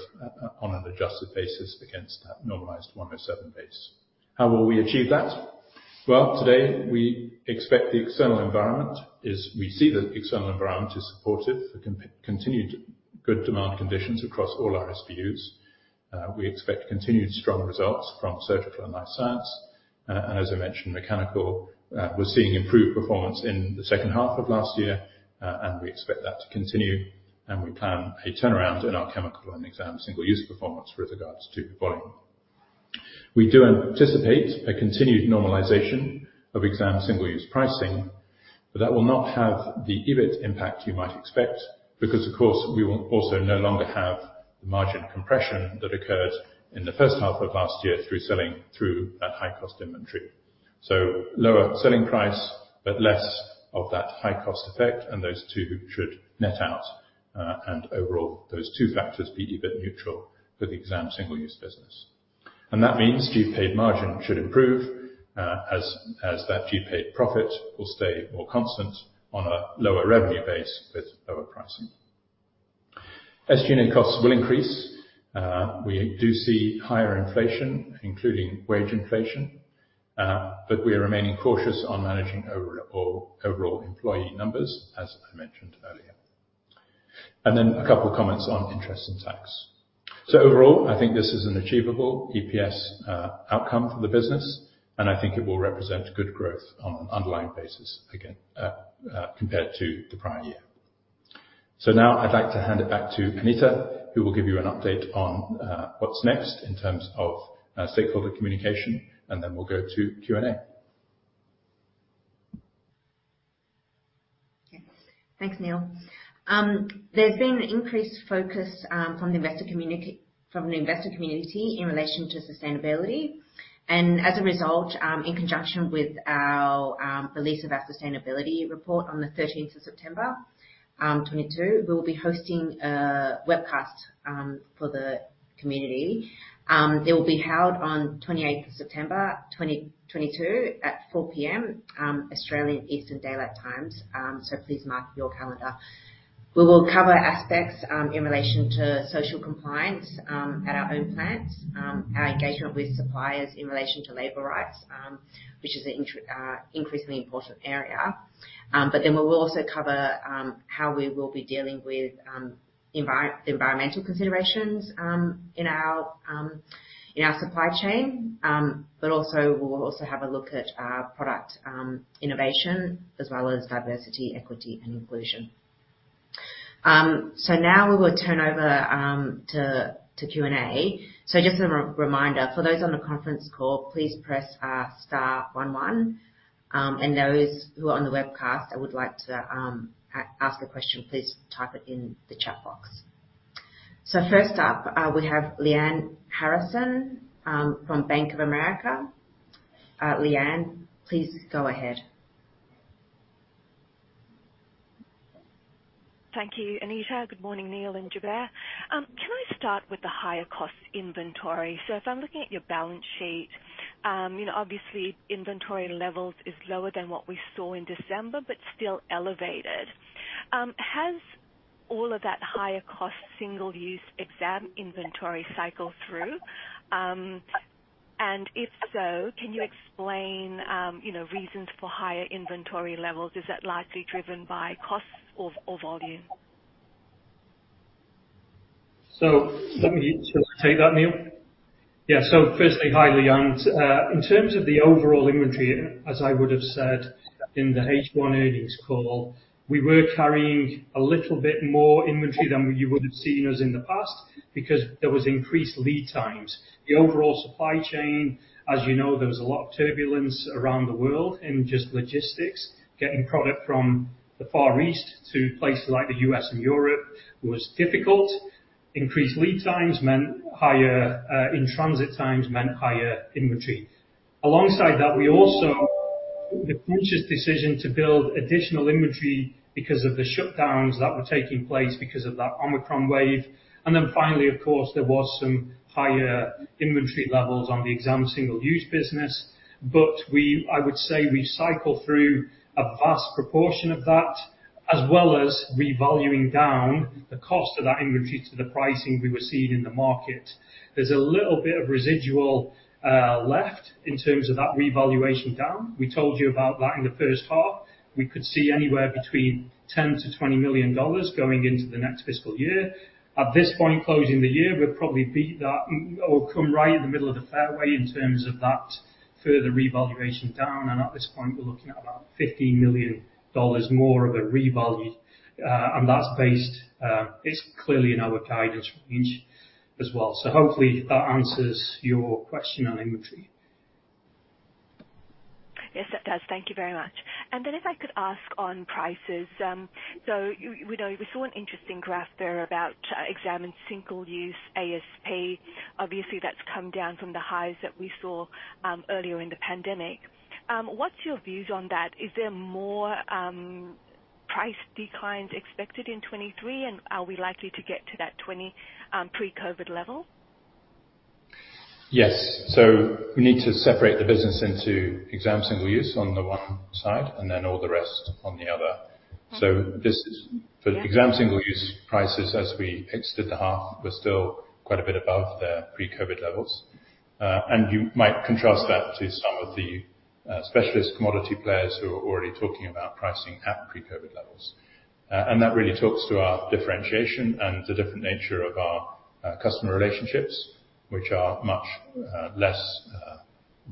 S2: on an adjusted basis against that normalized 1.07 base. How will we achieve that? Well, today we see the external environment is supportive for continued good demand conditions across all our SBUs. We expect continued strong results from Surgical and Life Science. As I mentioned, Mechanical was seeing improved performance in the second half of last year, and we expect that to continue, and we plan a turnaround in our Chemical and Exam Single Use performance with regards to volume. We do anticipate a continued normalization of Exam Single Use pricing, but that will not have the EBIT impact you might expect because of course we will also no longer have the margin compression that occurred in the first half of last year through selling through that high cost inventory. Lower selling price, but less of that high cost effect, and those two should net out. Overall, those two factors be EBIT neutral for the Exam Single Use business. That means GPADE margin should improve, as that GPADE profit will stay more constant on a lower revenue base with lower pricing. SG&A costs will increase. We do see higher inflation, including wage inflation, but we are remaining cautious on managing overall employee numbers, as I mentioned earlier. A couple comments on interest and tax. Overall, I think this is an achievable EPS outcome for the business, and I think it will represent good growth on an underlying basis again, compared to the prior year. Now I'd like to hand it back to Anita, who will give you an update on what's next in terms of stakeholder communication, and then we'll go to Q&A.
S1: Yes. Thanks, Neil. There's been increased focus from the investor community in relation to sustainability. As a result, in conjunction with our release of our sustainability report on the the September 13th, 2022, we will be hosting a webcast for the community. It will be held on the September 28th, 2022 at 4:00 P.M. Australian Eastern Daylight Time. Please mark your calendar. We will cover aspects in relation to social compliance at our own plants, our engagement with suppliers in relation to labor rights, which is an increasingly important area. We will also cover how we will be dealing with environmental considerations in our supply chain. We'll also have a look at our product innovation as well as diversity, equity and inclusion. Now we will turn over to Q&A. Just a reminder, for those on the conference call, please press star one one. Those who are on the webcast and would like to ask a question, please type it in the chat box. First up, we have Lyanne Harrison from Bank of America. Lyanne, please go ahead.
S4: Thank you, Anita. Good morning, Neil and Zubair. Can I start with the higher cost inventory? If I'm looking at your balance sheet, you know, obviously inventory levels is lower than what we saw in December, but still elevated. Has all of that higher cost single-use exam inventory cycled through? And if so, can you explain, you know, reasons for higher inventory levels? Is that likely driven by costs or volume?
S3: Let me take that, Neil. Yeah. First, hi, Lyanne. In terms of the overall inventory, as I would have said in the H1 earnings call, we were carrying a little bit more inventory than you would have seen us in the past because there was increased lead times. The overall supply chain, as you know, there was a lot of turbulence around the world in just logistics. Getting product from the Far East to places like the U.S. and Europe was difficult. Increased lead times meant higher in transit times meant higher inventory. Alongside that, we also the conscious decision to build additional inventory because of the shutdowns that were taking place because of that Omicron wave. Finally, of course, there was some higher inventory levels on the Exam Single-Use business. I would say we've cycled through a vast proportion of that, as well as revaluing down the cost of that inventory to the pricing we were seeing in the market. There's a little bit of residual left in terms of that revaluation down. We told you about that in the first half. We could see anywhere between 10 million-20 million dollars going into the next fiscal year. At this point, closing the year, we'll probably beat that or come right in the middle of the fairway in terms of that further revaluation down. At this point, we're looking at about 50 million dollars more of a revalued. That's based. It's clearly in our guidance range as well. Hopefully that answers your question on inventory.
S4: Yes, that does. Thank you very much. If I could ask on prices, so we know we saw an interesting graph there about exam and single-use ASP. Obviously, that's come down from the highs that we saw earlier in the pandemic. What's your views on that? Is there more price declines expected in 2023? And are we likely to get to that 20 pre-COVID level?
S2: Yes. We need to separate the business into Exam Single Use on the one side and then all the rest on the other.
S4: Mm-hmm.
S2: So this is-
S4: Yeah.
S2: For the Exam Single-Use prices, as we exited the half, we're still quite a bit above the pre-COVID levels. You might contrast that to some of the specialist commodity players who are already talking about pricing at pre-COVID levels. That really talks to our differentiation and the different nature of our customer relationships, which are much less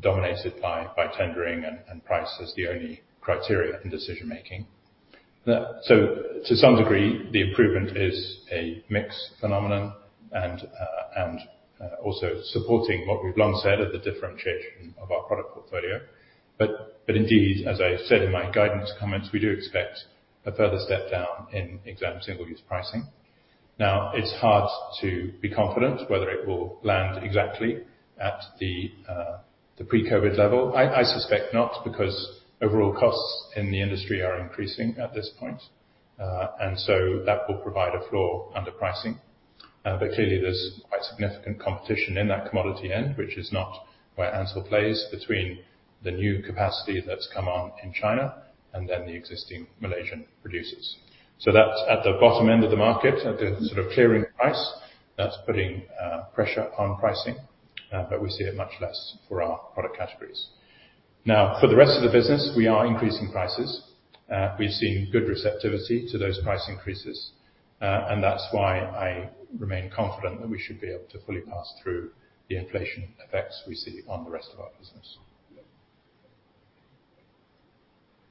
S2: dominated by tendering and price as the only criteria in decision making. To some degree, the improvement is a mix phenomenon and also supporting what we've long said of the differentiation of our product portfolio. Indeed, as I said in my guidance comments, we do expect a further step down in Exam Single-Use pricing. Now, it's hard to be confident whether it will land exactly at the pre-COVID level. I suspect not, because overall costs in the industry are increasing at this point. That will provide a floor under pricing. Clearly, there's quite significant competition in that commodity end, which is not where Ansell plays between the new capacity that's come on in China and then the existing Malaysian producers. That's at the bottom end of the market, at the sort of clearing price that's putting pressure on pricing. We see it much less for our product categories. Now, for the rest of the business, we are increasing prices. We've seen good receptivity to those price increases, and that's why I remain confident that we should be able to fully pass through the inflation effects we see on the rest of our business.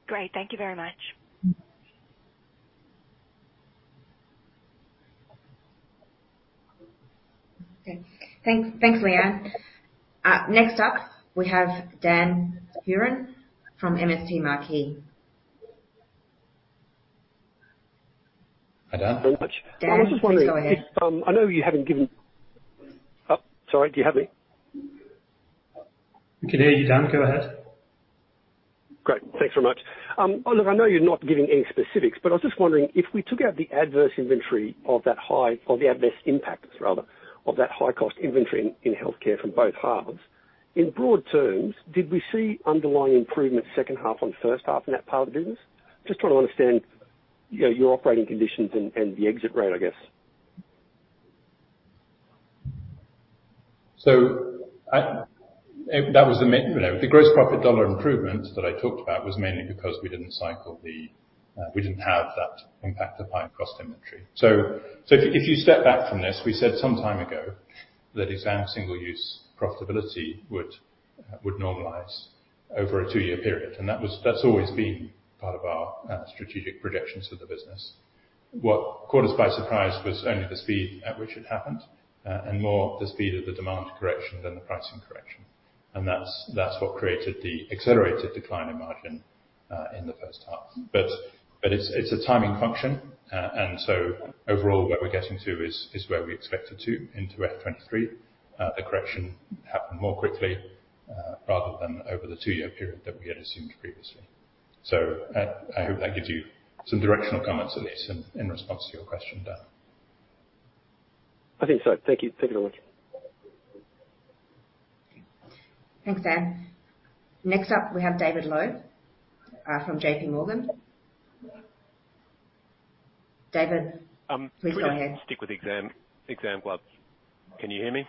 S4: Great. Thank you very much.
S2: Mm-hmm.
S1: Okay. Thanks. Thanks, Lyanne. Next up, we have Dan Hurren from MST Marquee.
S2: Hi, Dan.
S5: Thanks very much.
S1: Dan, please go ahead.
S5: Sorry, do you have me?
S2: We can hear you, Dan. Go ahead.
S5: Great. Thanks very much. Look, I know you're not giving any specifics, but I was just wondering if we took out the adverse impact, rather, of that high cost inventory in healthcare from both halves. In broad terms, did we see underlying improvement second half on first half in that part of the business? Just trying to understand, you know, your operating conditions and the exit rate, I guess.
S2: That was the gross profit dollar improvement that I talked about was mainly because we didn't cycle the, we didn't have that impact of high cost inventory. You know, if you step back from this, we said some time ago that Exam Single-Use profitability would normalize over a two-year period. That's always been part of our strategic projections for the business. What caught us by surprise was only the speed at which it happened, and more the speed of the demand correction than the pricing correction. That's what created the accelerated decline in margin in the first half. It's a timing function. Overall, where we're getting to is where we expected to into FY 2023. The correction happened more quickly, rather than over the two-year period that we had assumed previously. I hope that gives you some directional comments at least in response to your question, Dan.
S5: I think so. Thank you. Thank you very much.
S1: Thanks, Dan. Next up, we have David Low from JP Morgan. David, please go ahead.
S6: Can we just stick with exam gloves? Can you hear me?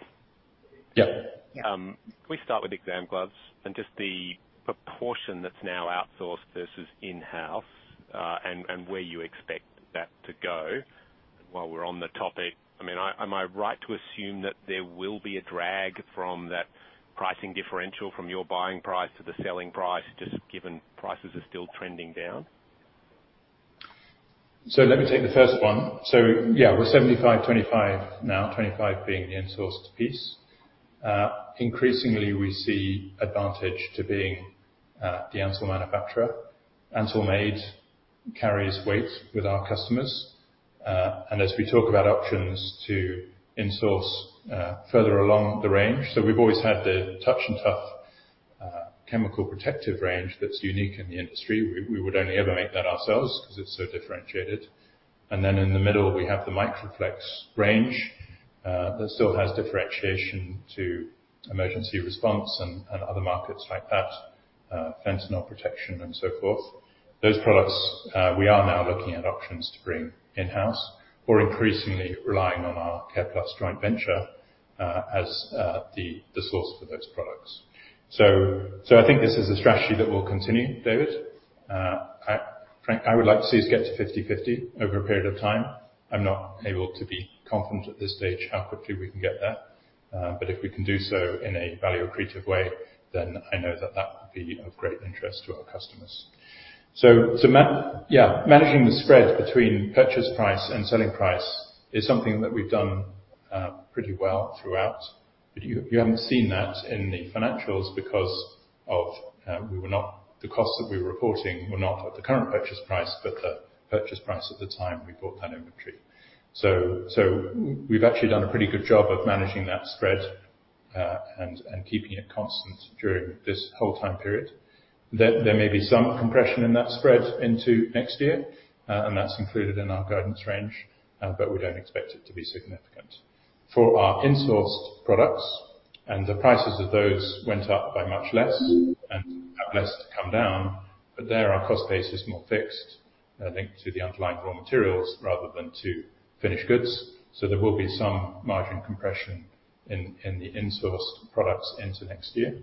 S2: Yes.
S1: Yeah.
S6: Can we start with exam gloves and just the proportion that's now outsourced versus in-house, and where you expect that to go? While we're on the topic, I mean, am I right to assume that there will be a drag from that pricing differential from your buying price to the selling price, just given prices are still trending down?
S2: Let me take the first one. Yeah, we're 75-25 now, 25 being the outsourced piece. Increasingly, we see advantage to being the Ansell manufacturer. Ansell-made carries weight with our customers. As we talk about options to insource further along the range. We've always had the TouchNTuff chemical protective range that's unique in the industry. We would only ever make that ourselves because it's so differentiated. Then in the middle, we have the MICROFLEX range that still has differentiation to emergency response and other markets like that, fentanyl protection and so forth. Those products, we are now looking at options to bring in-house. We're increasingly relying on our Careplus joint venture as the source for those products. I think this is a strategy that will continue, David. I would like to see us get to 50/50 over a period of time. I'm not able to be confident at this stage how quickly we can get there. If we can do so in a value-accretive way, I know that that would be of great interest to our customers. Yeah, managing the spread between purchase price and selling price is something that we've done pretty well throughout. You haven't seen that in the financials because the costs that we were reporting were not at the current purchase price but the purchase price at the time we bought that inventory. We've actually done a pretty good job of managing that spread and keeping it constant during this whole time period. There may be some compression in that spread into next year, and that's included in our guidance range, but we don't expect it to be significant. For our in-sourced products, and the prices of those went up by much less and have less to come down, but there, our cost base is more fixed, linked to the underlying raw materials rather than to finished goods. There will be some margin compression in the in-sourced products into next year,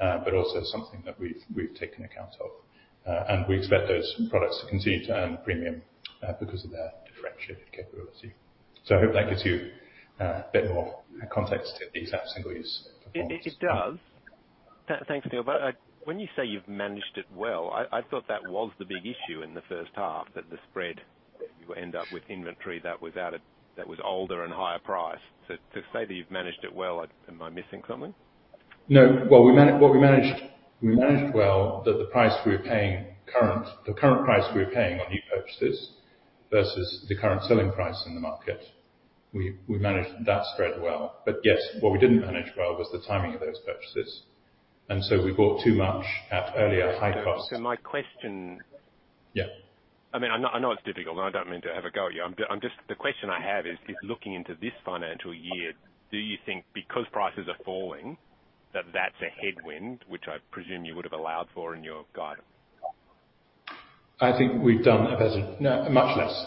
S2: but also something that we've taken account of. We expect those products to continue to earn premium, because of their differentiated capability. I hope that gives you a bit more context to the Exam Single Use performance.
S6: It does. Thanks, Neil. When you say you've managed it well, I thought that was the big issue in the first half, that the spread that you end up with inventory that was older and higher priced. To say that you've managed it well, am I missing something?
S2: No. Well, what we managed, we managed well, that the current price we were paying on new purchases versus the current selling price in the market, we managed that spread well. Yes, what we didn't manage well was the timing of those purchases, and so we bought too much at earlier high costs.
S6: My question.
S2: Yeah.
S6: I mean, I know it's difficult, and I don't mean to have a go at you. I'm just the question I have is, if looking into this financial year, do you think because prices are falling, that that's a headwind, which I presume you would have allowed for in your guidance?
S2: I think we've done much less.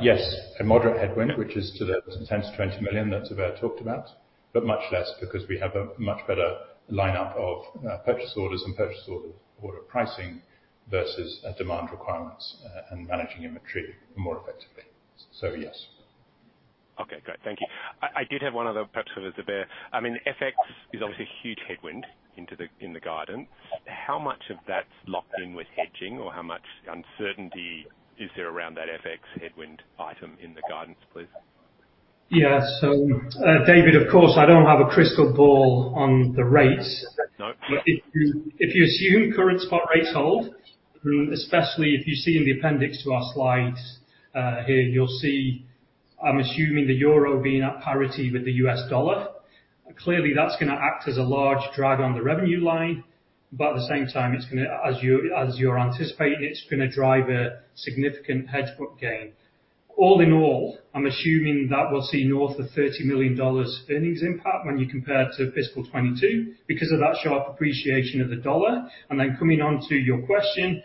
S2: Yes, a moderate headwind, which is to the 10 million-20 million that Zubair Javeed talked about, but much less because we have a much better lineup of purchase orders, order pricing versus demand requirements, and managing inventory more effectively. Yes.
S6: Okay, great. Thank you. I did have one other perhaps for Zubair Javeed. I mean, FX is obviously a huge headwind into the year. How much of that's locked in with hedging or how much uncertainty is there around that FX headwind item in the guidance, please?
S3: Yeah. David, of course, I don't have a crystal ball on the rates.
S6: No.
S3: If you assume current spot rates hold, and especially if you see in the appendix to our slides, you'll see I'm assuming the euro being at parity with the U.S. dollar. Clearly, that's gonna act as a large drag on the revenue line. At the same time, it's gonna, as you're anticipating, it's gonna drive a significant hedge book gain. All in all, I'm assuming that we'll see north of $30 million earnings impact when you compare to fiscal 2022 because of that sharp appreciation of the dollar. Then coming onto your question,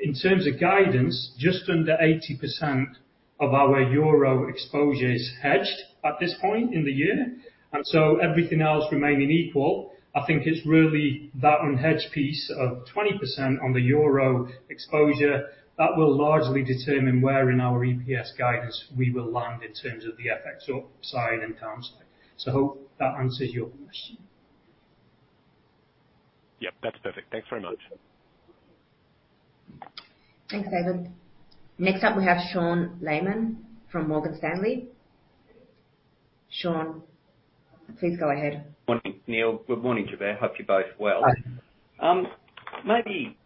S3: in terms of guidance, just under 80% of our euro exposure is hedged at this point in the year. Everything else remaining equal, I think it's really that unhedged piece of 20% on the euro exposure that will largely determine where in our EPS guidance we will land in terms of the FX upside and downside. I hope that answers your question.
S6: Yep, that's perfect. Thanks very much.
S1: Thanks, David. Next up, we have Sean Laaman from Morgan Stanley. Sean, please go ahead.
S7: Morning, Neil. Good morning, Zubair. Hope you're both well.
S3: Hi.
S7: Maybe,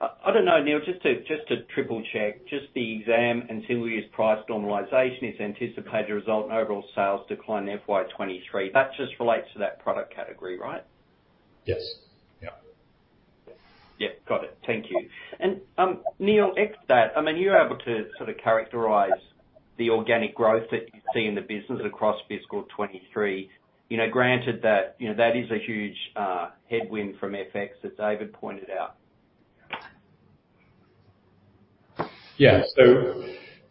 S7: I don't know, Neil, just to triple-check, the Exam Single-Use price normalization is anticipated to result in overall sales decline in FY 2023. That just relates to that product category, right?
S2: Yes. Yeah.
S7: Yeah, got it. Thank you. Neil, if that, I mean, you're able to sort of characterize the organic growth that you see in the business across fiscal 2023. You know, granted that, you know, that is a huge headwind from FX as David pointed out.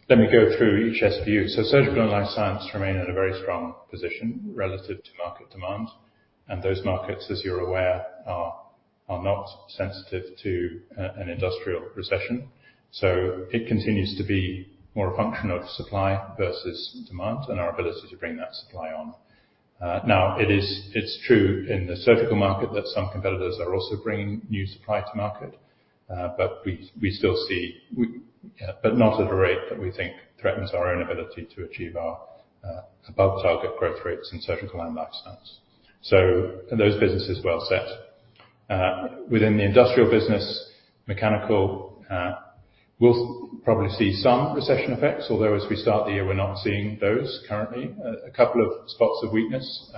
S2: Let me go through each SBU. Surgical and Life Science remain at a very strong position relative to market demand. Those markets, as you're aware, are not sensitive to an industrial recession. It continues to be more a function of supply versus demand and our ability to bring that supply on. It's true in the surgical market that some competitors are also bringing new supply to market, but we still see, but not at a rate that we think threatens our own ability to achieve our above target growth rates in Surgical and Life Science. Those businesses are well set. Within the industrial business, mechanical, we'll probably see some recession effects, although as we start the year, we're not seeing those currently. A couple of spots of weakness.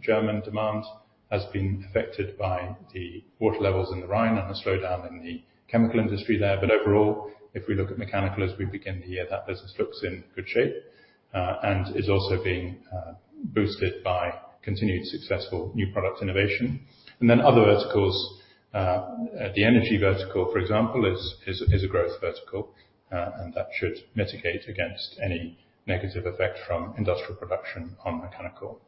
S2: German demand has been affected by the water levels in the Rhine and a slowdown in the chemical industry there. Overall, if we look at mechanical as we begin the year, that business looks in good shape, and is also being boosted by continued successful new product innovation. Other verticals, the energy vertical, for example, is a growth vertical, and that should mitigate against any negative effect from industrial production on mechanical.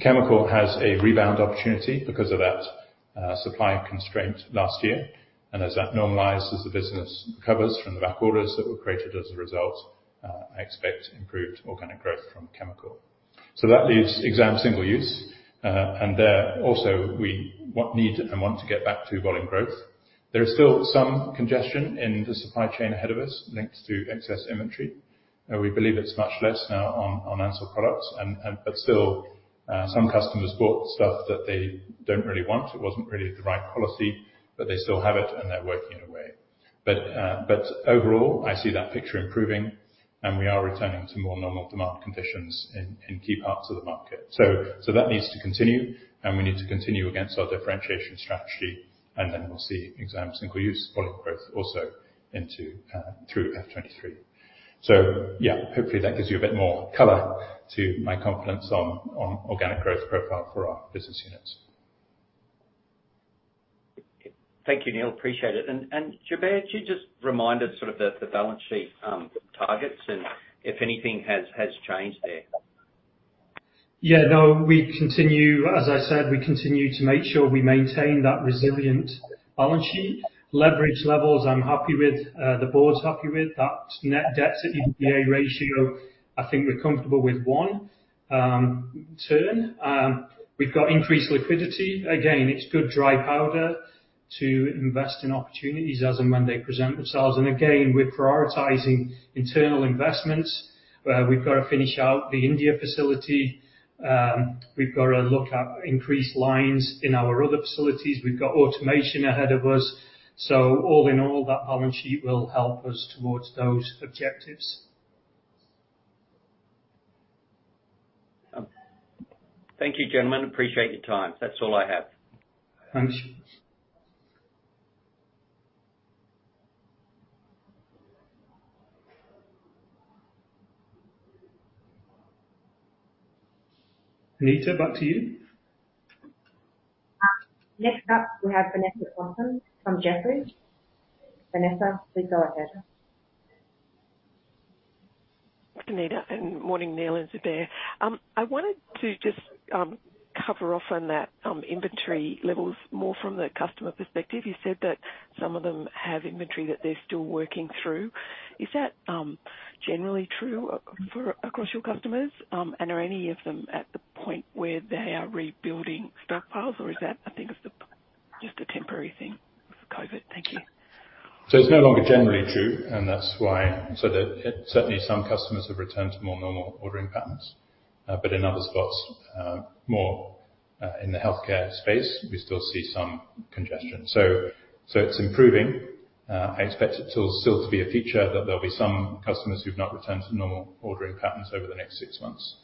S2: Chemical has a rebound opportunity because of that supply constraint last year, and as that normalizes, the business recovers from the backorders that were created as a result. I expect improved organic growth from chemical. That leaves Exam Single Use. There also we need and want to get back to volume growth. There is still some congestion in the supply chain ahead of us linked to excess inventory. We believe it's much less now on Ansell products and but still, some customers bought stuff that they don't really want. It wasn't really the right policy, but they still have it and they're working it away. Overall, I see that picture improving and we are returning to more normal demand conditions in key parts of the market. That needs to continue and we need to continue against our differentiation strategy, and then we'll see Exam Single Use volume growth also into through F-23. Yeah, hopefully that gives you a bit more color to my confidence on organic growth profile for our business units.
S7: Thank you, Neil. Appreciate it. Zubair, could you just remind us sort of the balance sheet targets and if anything has changed there?
S3: Yeah, no, as I said, we continue to make sure we maintain that resilient balance sheet. Leverage levels, I'm happy with, the board's happy with. That net debt to EBITDA ratio, I think we're comfortable with one turn. We've got increased liquidity. Again, it's good dry powder to invest in opportunities as and when they present themselves. Again, we're prioritizing internal investments. We've got to finish out the India facility. We've got to look at increased lines in our other facilities. We've got automation ahead of us. All in all, that balance sheet will help us towards those objectives.
S7: Thank you, gentlemen. Appreciate your time. That's all I have.
S3: Thanks.
S2: Anita, back to you.
S1: Next up, we have Vanessa Thomson from Jefferies. Vanessa, please go ahead.
S8: Anita, good morning, Neil and Zubair. I wanted to just cover off on that, inventory levels more from the customer perspective. You said that some of them have inventory that they're still working through. Is that generally true across your customers? Are any of them at the point where they are rebuilding stockpiles, or is that, I think, just a temporary thing for COVID? Thank you.
S2: It's no longer generally true, and that's why I said that certainly some customers have returned to more normal ordering patterns. In other spots, in the healthcare space, we still see some congestion. It's improving. I expect it to still be a feature that there'll be some customers who've not returned to normal ordering patterns over the next six months.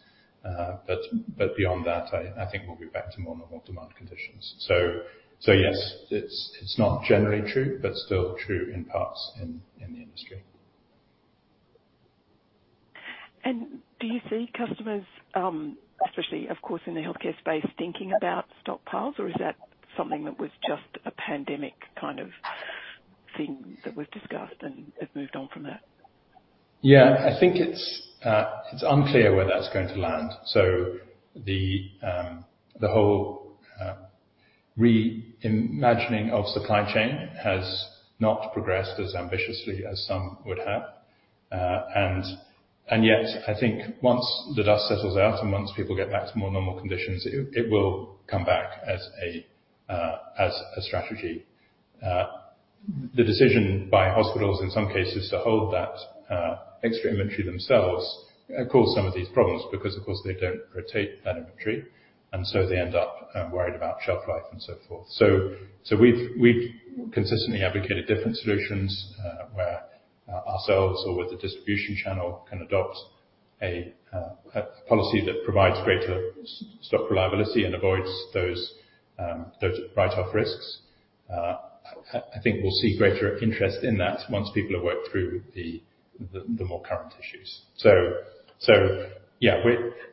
S2: Beyond that, I think we'll be back to more normal demand conditions. Yes, it's not generally true, but still true in parts in the industry.
S8: Do you see customers, especially, of course, in the healthcare space, thinking about stockpiles, or is that something that was just a pandemic kind of thing that was discussed and has moved on from that?
S2: Yeah. I think it's unclear where that's going to land. The whole reimagining of supply chain has not progressed as ambitiously as some would have. I think once the dust settles out and once people get back to more normal conditions, it will come back as a strategy. The decision by hospitals in some cases to hold that extra inventory themselves caused some of these problems because, of course, they don't rotate that inventory, and they end up worried about shelf life and so forth. We've consistently advocated different solutions where ourselves or with the distribution channel can adopt a policy that provides greater stock reliability and avoids those write-off risks. I think we'll see greater interest in that once people have worked through the more current issues. Yeah,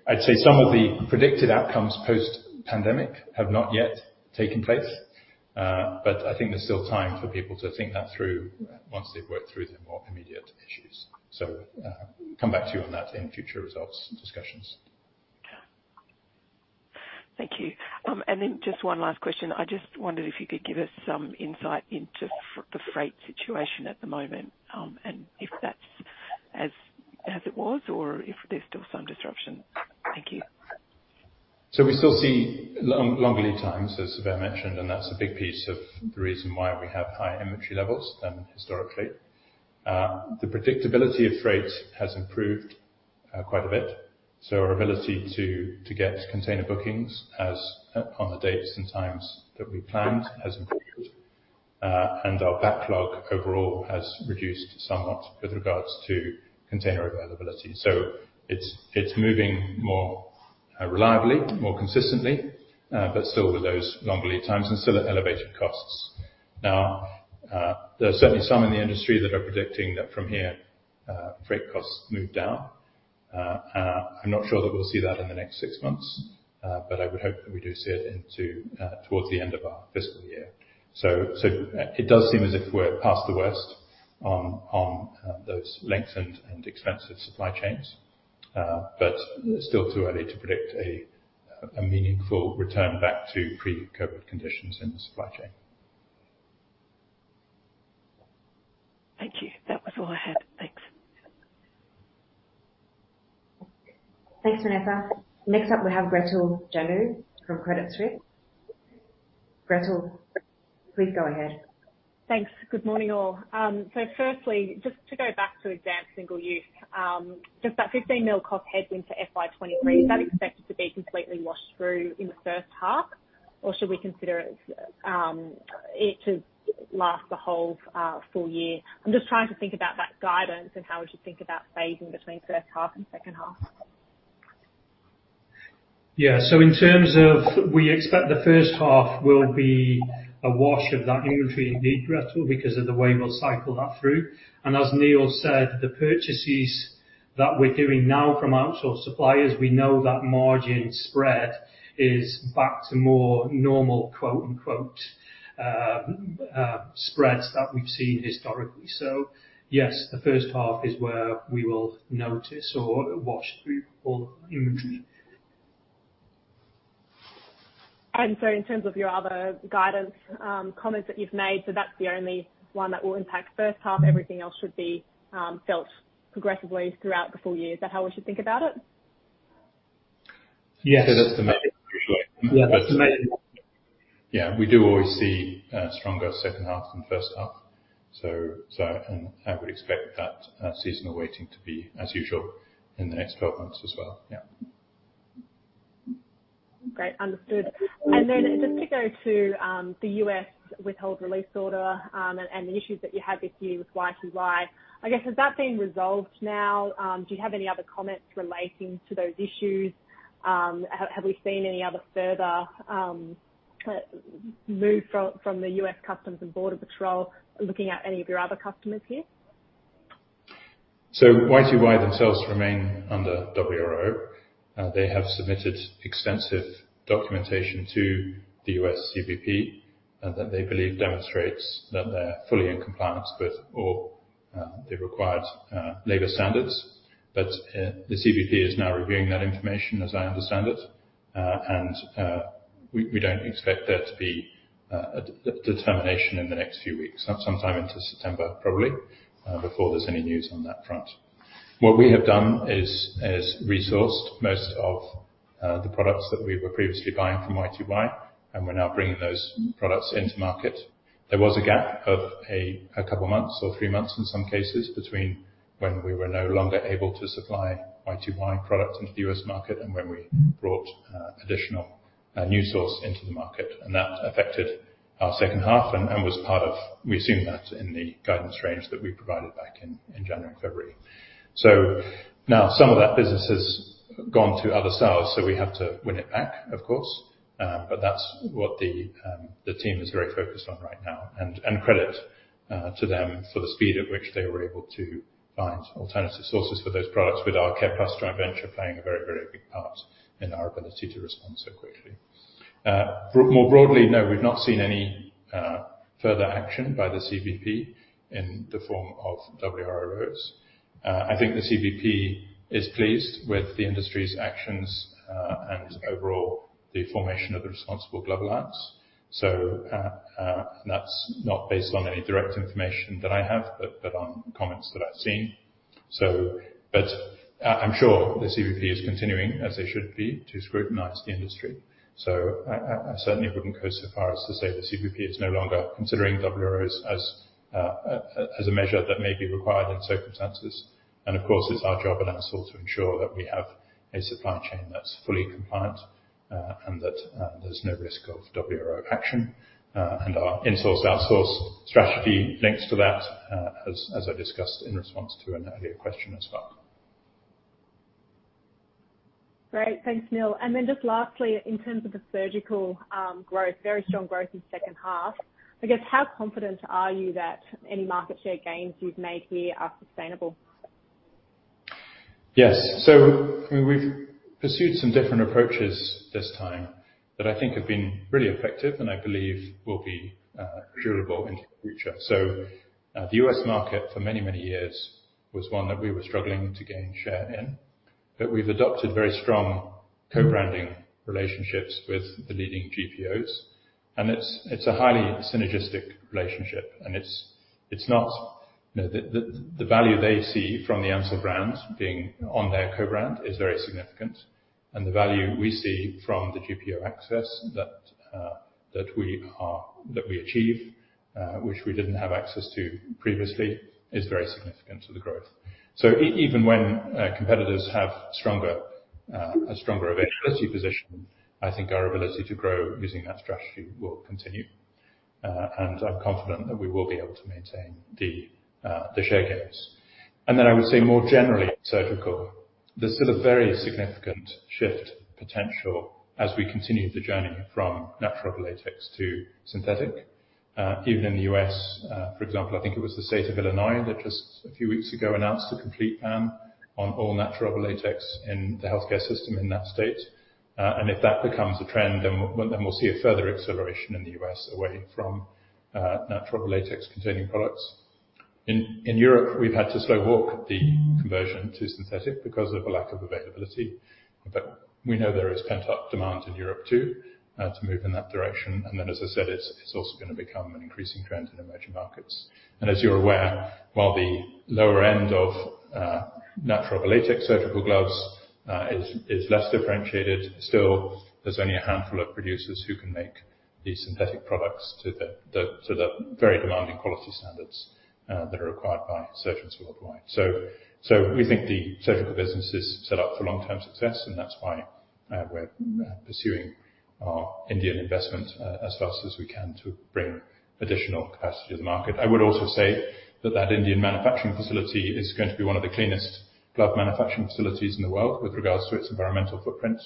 S2: I'd say some of the predicted outcomes post-pandemic have not yet taken place. I think there's still time for people to think that through once they've worked through the more immediate issues. Come back to you on that in future results and discussions.
S8: Thank you. Just one last question. I just wondered if you could give us some insight into the freight situation at the moment, and if that's as it was or if there's still some disruption. Thank you.
S2: We still see long lead times, as Zubair Javeed mentioned, and that's a big piece of the reason why we have higher inventory levels than historically. The predictability of freight has improved quite a bit. Our ability to get container bookings on the dates and times that we planned has improved. Our backlog overall has reduced somewhat with regards to container availability. It's moving more reliably, more consistently, but still with those long lead times and still at elevated costs. Now, there are certainly some in the industry that are predicting that from here, freight costs move down. I'm not sure that we'll see that in the next six months, but I would hope that we do see it towards the end of our fiscal year. It does seem as if we're past the worst on those lengthened and expensive supply chains. It's still too early to predict a meaningful return back to pre-COVID conditions in the supply chain.
S8: Thank you. That was all I had. Thanks.
S1: Thanks, Vanessa. Next up we have Gretel Janu from Credit Suisse. Gretel, please go ahead.
S9: Thanks. Good morning all. Firstly, just to go back to advanced single-use. Just that $15 million cost headwind to FY 2023. Is that expected to be completely washed through in the first half, or should we consider it to last the whole full year? I'm just trying to think about that guidance and how we should think about phasing between first half and second half.
S3: Yeah. In terms of we expect the first half will be a wash of that inventory indeed, Gretel, because of the way we'll cycle that through. As Neil said, the purchases that we're doing now from outsourced suppliers, we know that margin spread is back to more normal, quote-unquote, spreads that we've seen historically. Yes, the first half is where we will notice or wash through all the inventory.
S9: In terms of your other guidance, comments that you've made, that's the only one that will impact first half. Everything else should be felt progressively throughout the full year. Is that how we should think about it?
S2: Yes.
S3: That's the main.
S2: Yeah. We do always see a stronger second half than first half. I would expect that seasonal weighting to be as usual in the next 12 months as well. Yeah.
S9: Great. Understood. Just to go to the U.S. Withhold Release Order, and the issues that you had this year with YTY. I guess, has that been resolved now? Do you have any other comments relating to those issues? Have we seen any other further move from the U.S. Customs and Border Protection looking at any of your other customers here?
S2: YTY themselves remain under WRO. They have submitted extensive documentation to the U.S. CBP that they believe demonstrates that they're fully in compliance with all the required labor standards. The CBP is now reviewing that information, as I understand it. We don't expect there to be a determination in the next few weeks. Not sometime into September, probably, before there's any news on that front. What we have done is sourced most of the products that we were previously buying from YTY, and we're now bringing those products into market. There was a gap of a couple of months or three months in some cases between when we were no longer able to supply YTY product into the U.S. market and when we brought additional new source into the market. That affected our second half and was part of the guidance range that we provided back in January and February. Now some of that business has gone to other sellers, so we have to win it back, of course. That's what the team is very focused on right now. Credit to them for the speed at which they were able to find alternative sources for those products with our Careplus joint venture playing a very big part in our ability to respond so quickly. More broadly, no, we've not seen any further action by the CBP in the form of WROs. I think the CBP is pleased with the industry's actions and overall, the formation of the Responsible Glove Alliance. That's not based on any direct information that I have, but on comments that I've seen. I'm sure the CBP is continuing, as they should be, to scrutinize the industry. I certainly wouldn't go so far as to say the CBP is no longer considering WROs as a measure that may be required in circumstances. Of course, it's our job at Ansell to ensure that we have a supply chain that's fully compliant, and that there's no risk of WRO action. Our insourced, outsourced strategy links to that, as I discussed in response to an earlier question as well.
S9: Great. Thanks, Neil. Just lastly, in terms of the surgical, growth, very strong growth in second half. I guess, how confident are you that any market share gains you've made here are sustainable?
S2: Yes. We've pursued some different approaches this time that I think have been really effective and I believe will be durable into the future. The U.S. market for many, many years was one that we were struggling to gain share in. We've adopted very strong co-branding relationships with the leading GPOs, and it's a highly synergistic relationship. It's not, you know, the value they see from the Ansell brand being on their co-brand is very significant. The value we see from the GPO access that we achieve, which we didn't have access to previously, is very significant to the growth. Even when competitors have a stronger availability position, I think our ability to grow using that strategy will continue. I'm confident that we will be able to maintain the share gains. I would say more generally, surgical, there's still a very significant shift potential as we continue the journey from natural latex to synthetic. Even in the U.S., for example, I think it was the state of Illinois that just a few weeks ago announced a complete ban on all natural latex in the healthcare system in that state. If that becomes a trend, then we'll see a further acceleration in the U.S. away from natural latex containing products. In Europe, we've had to slow walk the conversion to synthetic because of a lack of availability. We know there is pent-up demand in Europe too to move in that direction. As I said, it's also gonna become an increasing trend in emerging markets. As you're aware, while the lower end of natural latex surgical gloves is less differentiated, still, there's only a handful of producers who can make these synthetic products to the very demanding quality standards that are required by surgeons worldwide. We think the surgical business is set up for long-term success, and that's why we're pursuing our Indian investment as fast as we can to bring additional capacity to the market. I would also say that Indian manufacturing facility is going to be one of the cleanest glove manufacturing facilities in the world with regards to its environmental footprint.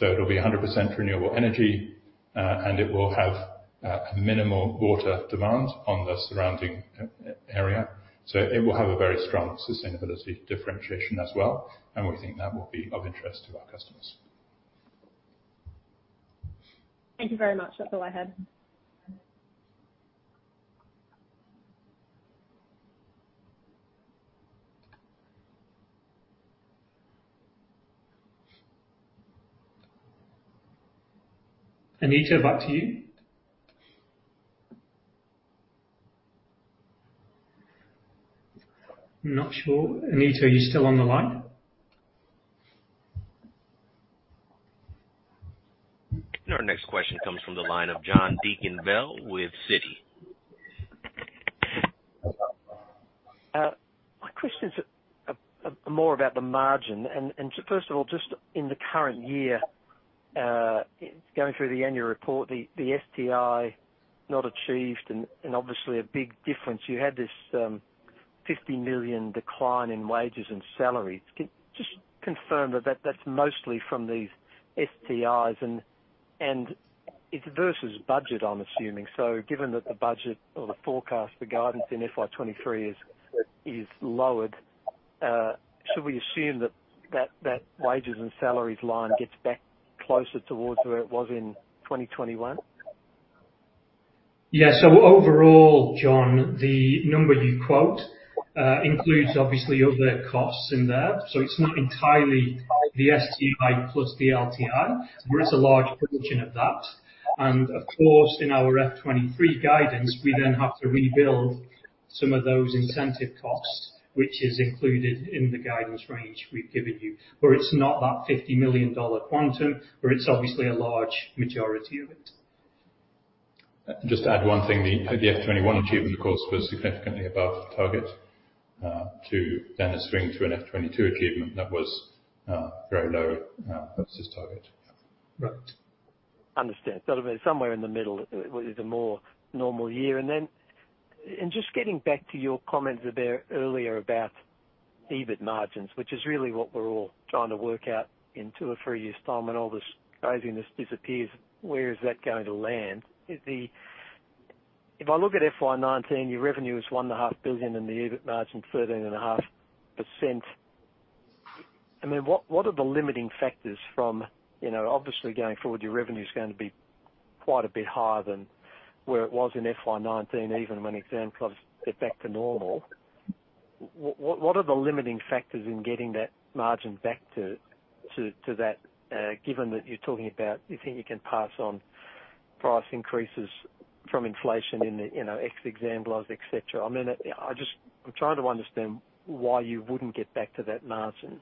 S2: It'll be 100% renewable energy, and it will have minimal water demand on the surrounding area. It will have a very strong sustainability differentiation as well, and we think that will be of interest to our customers.
S9: Thank you very much. That's all I had.
S3: Anita, back to you. I'm not sure. Anita, are you still on the line?
S10: Our next question comes from the line of John Deakin-Bell with Citi.
S11: My question is more about the margin. First of all, just in the current year, going through the annual report, the STI not achieved and obviously a big difference. You had this 50 million decline in wages and salaries. Can you just confirm that that's mostly from these STIs and it's versus budget, I'm assuming. Given that the budget or the forecast, the guidance in FY 2023 is lowered, should we assume that wages and salaries line gets back closer towards where it was in 2021?
S3: Yeah. Overall, John, the number you quote includes obviously other costs in there. It's not entirely the STI plus the LTI, but it's a large portion of that. Of course, in our FY 2023 guidance, we then have to rebuild some of those incentive costs, which is included in the guidance range we've given you. It's not that 50 million dollar quantum, but it's obviously a large majority of it.
S2: Just to add one thing, the FY 2021 achievement, of course, was significantly above target, to then a swing to an FY 2022 achievement that was very low versus target.
S11: Right. Understand. It'll be somewhere in the middle is a more normal year. Just getting back to your comments a bit earlier about EBIT margins, which is really what we're all trying to work out in two or three years' time when all this craziness disappears. Where is that going to land? If I look at FY 2019, your revenue is 1.5 billion and the EBIT margin 13.5%. I mean, what are the limiting factors from, you know, obviously going forward, your revenue is going to be quite a bit higher than where it was in FY 2019, even when exam gloves get back to normal. What are the limiting factors in getting that margin back to that, given that you're talking about you think you can pass on price increases from inflation in the, you know, exam gloves, et cetera. I mean, I'm trying to understand why you wouldn't get back to that margin.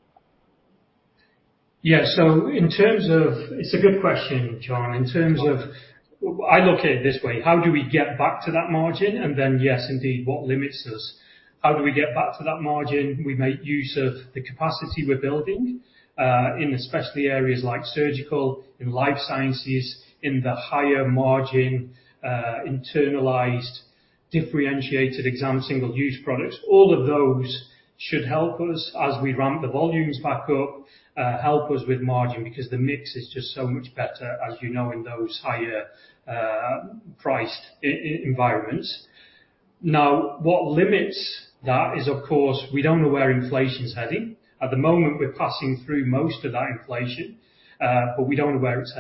S3: Yeah. It's a good question, John. In terms of, I look at it this way, how do we get back to that margin? Yes, indeed, what limits us? How do we get back to that margin? We make use of the capacity we're building in especially areas like surgical, in life sciences, in the higher margin internalized, differentiated exam single-use products. All of those should help us as we ramp the volumes back up, help us with margin because the mix is just so much better, as you know, in those higher priced environments. Now, what limits that is, of course, we don't know where inflation's heading. At the moment, we're passing through most of that inflation, but we don't know where it's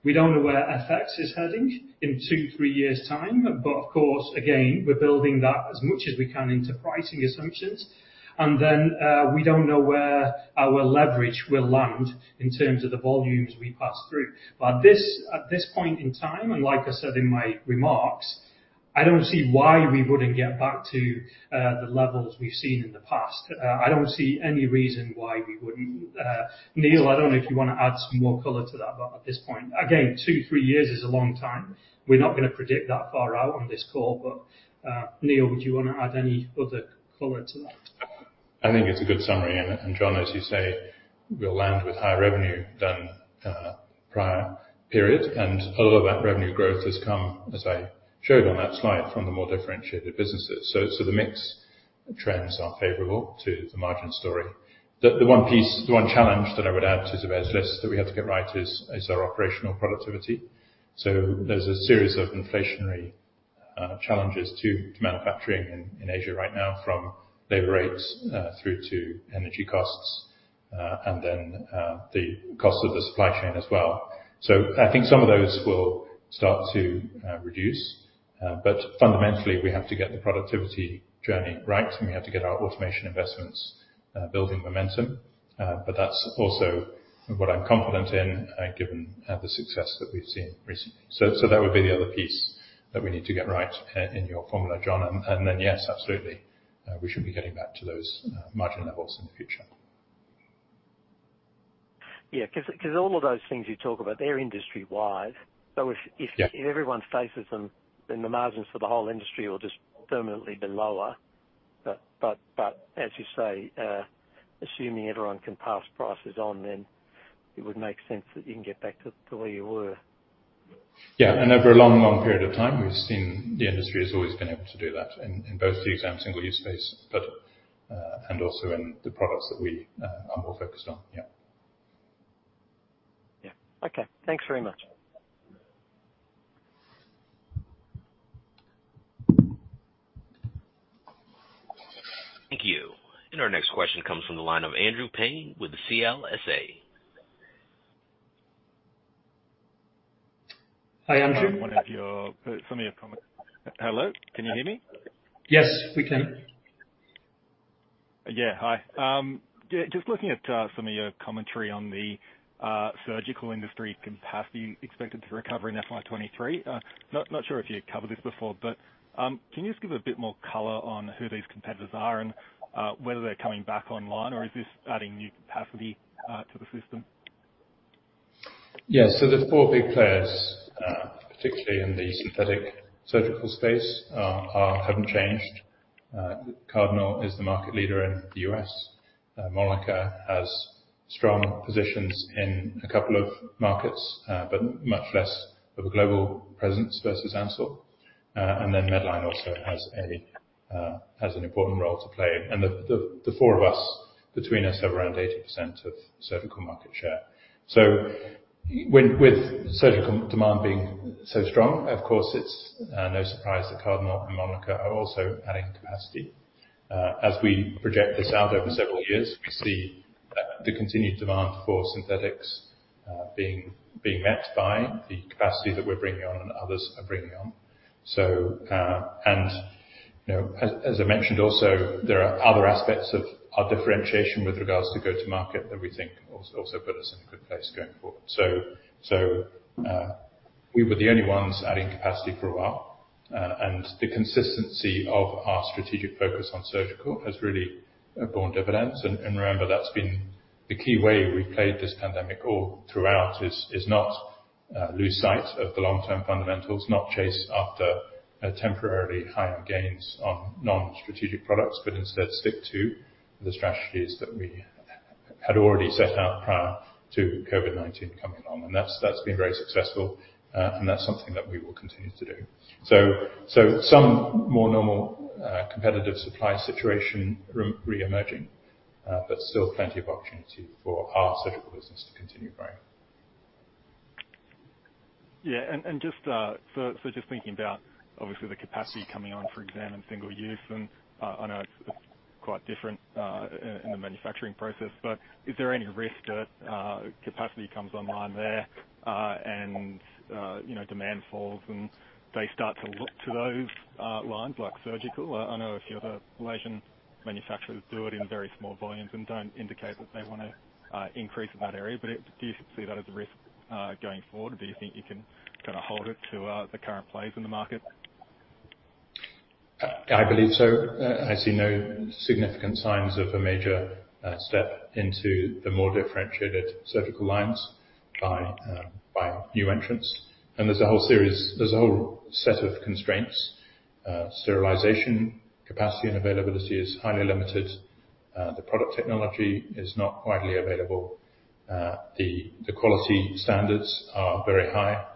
S3: heading. We don't know where FX is heading in two, three years' time. Of course, again, we're building that as much as we can into pricing assumptions. Then, we don't know where our leverage will land in terms of the volumes we pass through. This, at this point in time, and like I said in my remarks, I don't see why we wouldn't get back to the levels we've seen in the past. I don't see any reason why we wouldn't. Neil, I don't know if you wanna add some more color to that, but at this point. Again, two-three years is a long time. We're not gonna predict that far out on this call. Neil, would you wanna add any other color to that?
S2: I think it's a good summary. John, as you say, we'll land with higher revenue than prior periods. A lot of that revenue growth has come, as I showed on that slide, from the more differentiated businesses. The mix trends are favorable to the margin story. The one challenge that I would add to the risk list that we have to get right is our operational productivity. There's a series of inflationary challenges to manufacturing in Asia right now from labor rates through to energy costs, and then the cost of the supply chain as well. I think some of those will start to reduce. Fundamentally, we have to get the productivity journey right, and we have to get our automation investments building momentum. That's also what I'm confident in, given the success that we've seen recently. That would be the other piece that we need to get right in your formula, John. Then, yes, absolutely, we should be getting back to those margin levels in the future.
S11: Yeah. 'Cause all of those things you talk about, they're industry-wide. If-
S2: Yeah.
S11: If everyone faces them, then the margins for the whole industry will just permanently be lower. As you say, assuming everyone can pass prices on, then it would make sense that you can get back to where you were.
S2: Yeah. Over a long, long period of time, we've seen the industry has always been able to do that in both the Exam Single Use space, but, and also in the products that we are more focused on. Yeah.
S11: Yeah. Okay. Thanks very much.
S10: Thank you. Our next question comes from the line of Andrew Paine with CLSA.
S3: Hi, Andrew.
S12: Some of your comments. Hello, can you hear me?
S3: Yes, we can.
S12: Yeah. Hi. Yeah, just looking at some of your commentary on the surgical industry capacity expected to recover in FY 2023. Not sure if you covered this before, but can you just give a bit more color on who these competitors are and whether they're coming back online or is this adding new capacity to the system?
S2: Yeah. The four big players particularly in the synthetic surgical space haven't changed. Cardinal is the market leader in the U.S. Mölnlycke has strong positions in a couple of markets, but much less of a global presence versus Ansell. And then Medline also has an important role to play. The four of us between us have around 80% of surgical market share. With surgical demand being so strong, of course, it's no surprise that Cardinal Health and Mölnlycke are also adding capacity. As we project this out over several years, we see the continued demand for synthetics being met by the capacity that we're bringing on and others are bringing on. You know, as I mentioned also, there are other aspects of our differentiation with regards to go to market that we think also put us in a good place going forward. We were the only ones adding capacity for a while, and the consistency of our strategic focus on surgical has really borne dividends. Remember that's been the key way we've played this pandemic all throughout is not lose sight of the long-term fundamentals, not chase after temporarily higher gains on non-strategic products, but instead stick to the strategies that we had already set out prior to COVID-19 coming along. That's been very successful and that's something that we will continue to do. Some more normal competitive supply situation reemerging, but still plenty of opportunity for our surgical business to continue growing.
S12: Yeah. Just thinking about obviously the capacity coming on for Exam and Single Use, and I know it's quite different in the manufacturing process. But is there any risk that capacity comes online there, and you know, demand falls and they start to look to those lines like Surgical? I know a few of the Malaysian manufacturers do it in very small volumes and don't indicate that they wanna increase in that area. But do you see that as a risk going forward? Do you think you can kind of hold it to the current place in the market?
S2: I believe so. I see no significant signs of a major step into the more differentiated surgical lines by new entrants. There's a whole set of constraints. Sterilization capacity and availability is highly limited. The product technology is not widely available. The quality standards are very high.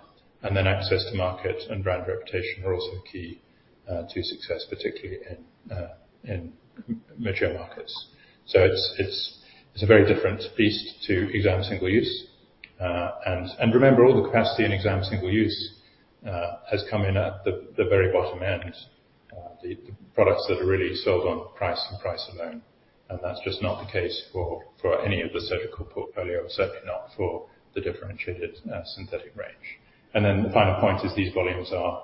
S2: Access to market and brand reputation are also key to success, particularly in mature markets. It's a very different beast to Exam Single Use. Remember, all the capacity in Exam Single Use has come in at the very bottom end. The products that are really sold on price and price alone, and that's just not the case for any of the surgical portfolio, certainly not for the differentiated synthetic range. The final point is these volumes are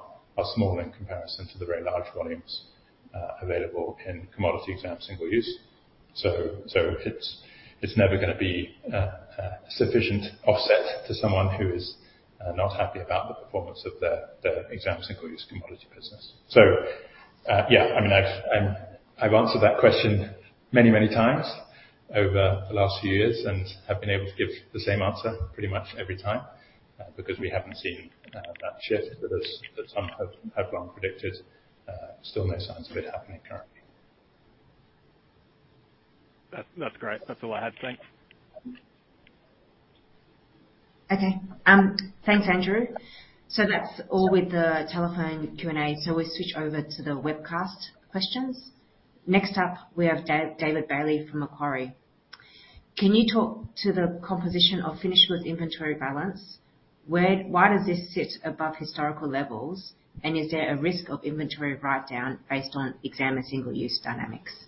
S2: small in comparison to the very large volumes available in commodity Exam Single Use. It's never gonna be sufficient offset to someone who is not happy about the performance of their Exam Single Use commodity business. Yeah, I mean, I've answered that question many times over the last few years and have been able to give the same answer pretty much every time, because we haven't seen that shift that some have long predicted. Still no signs of it happening currently.
S12: That's great. That's all I had. Thanks.
S1: Okay. Thanks, Andrew. That's all with the telephone Q&A. We switch over to the webcast questions. Next up, we have David Bailey from Macquarie. Can you talk to the composition of finished goods inventory balance? Why does this sit above historical levels? And is there a risk of inventory write down based on exam and single use dynamics?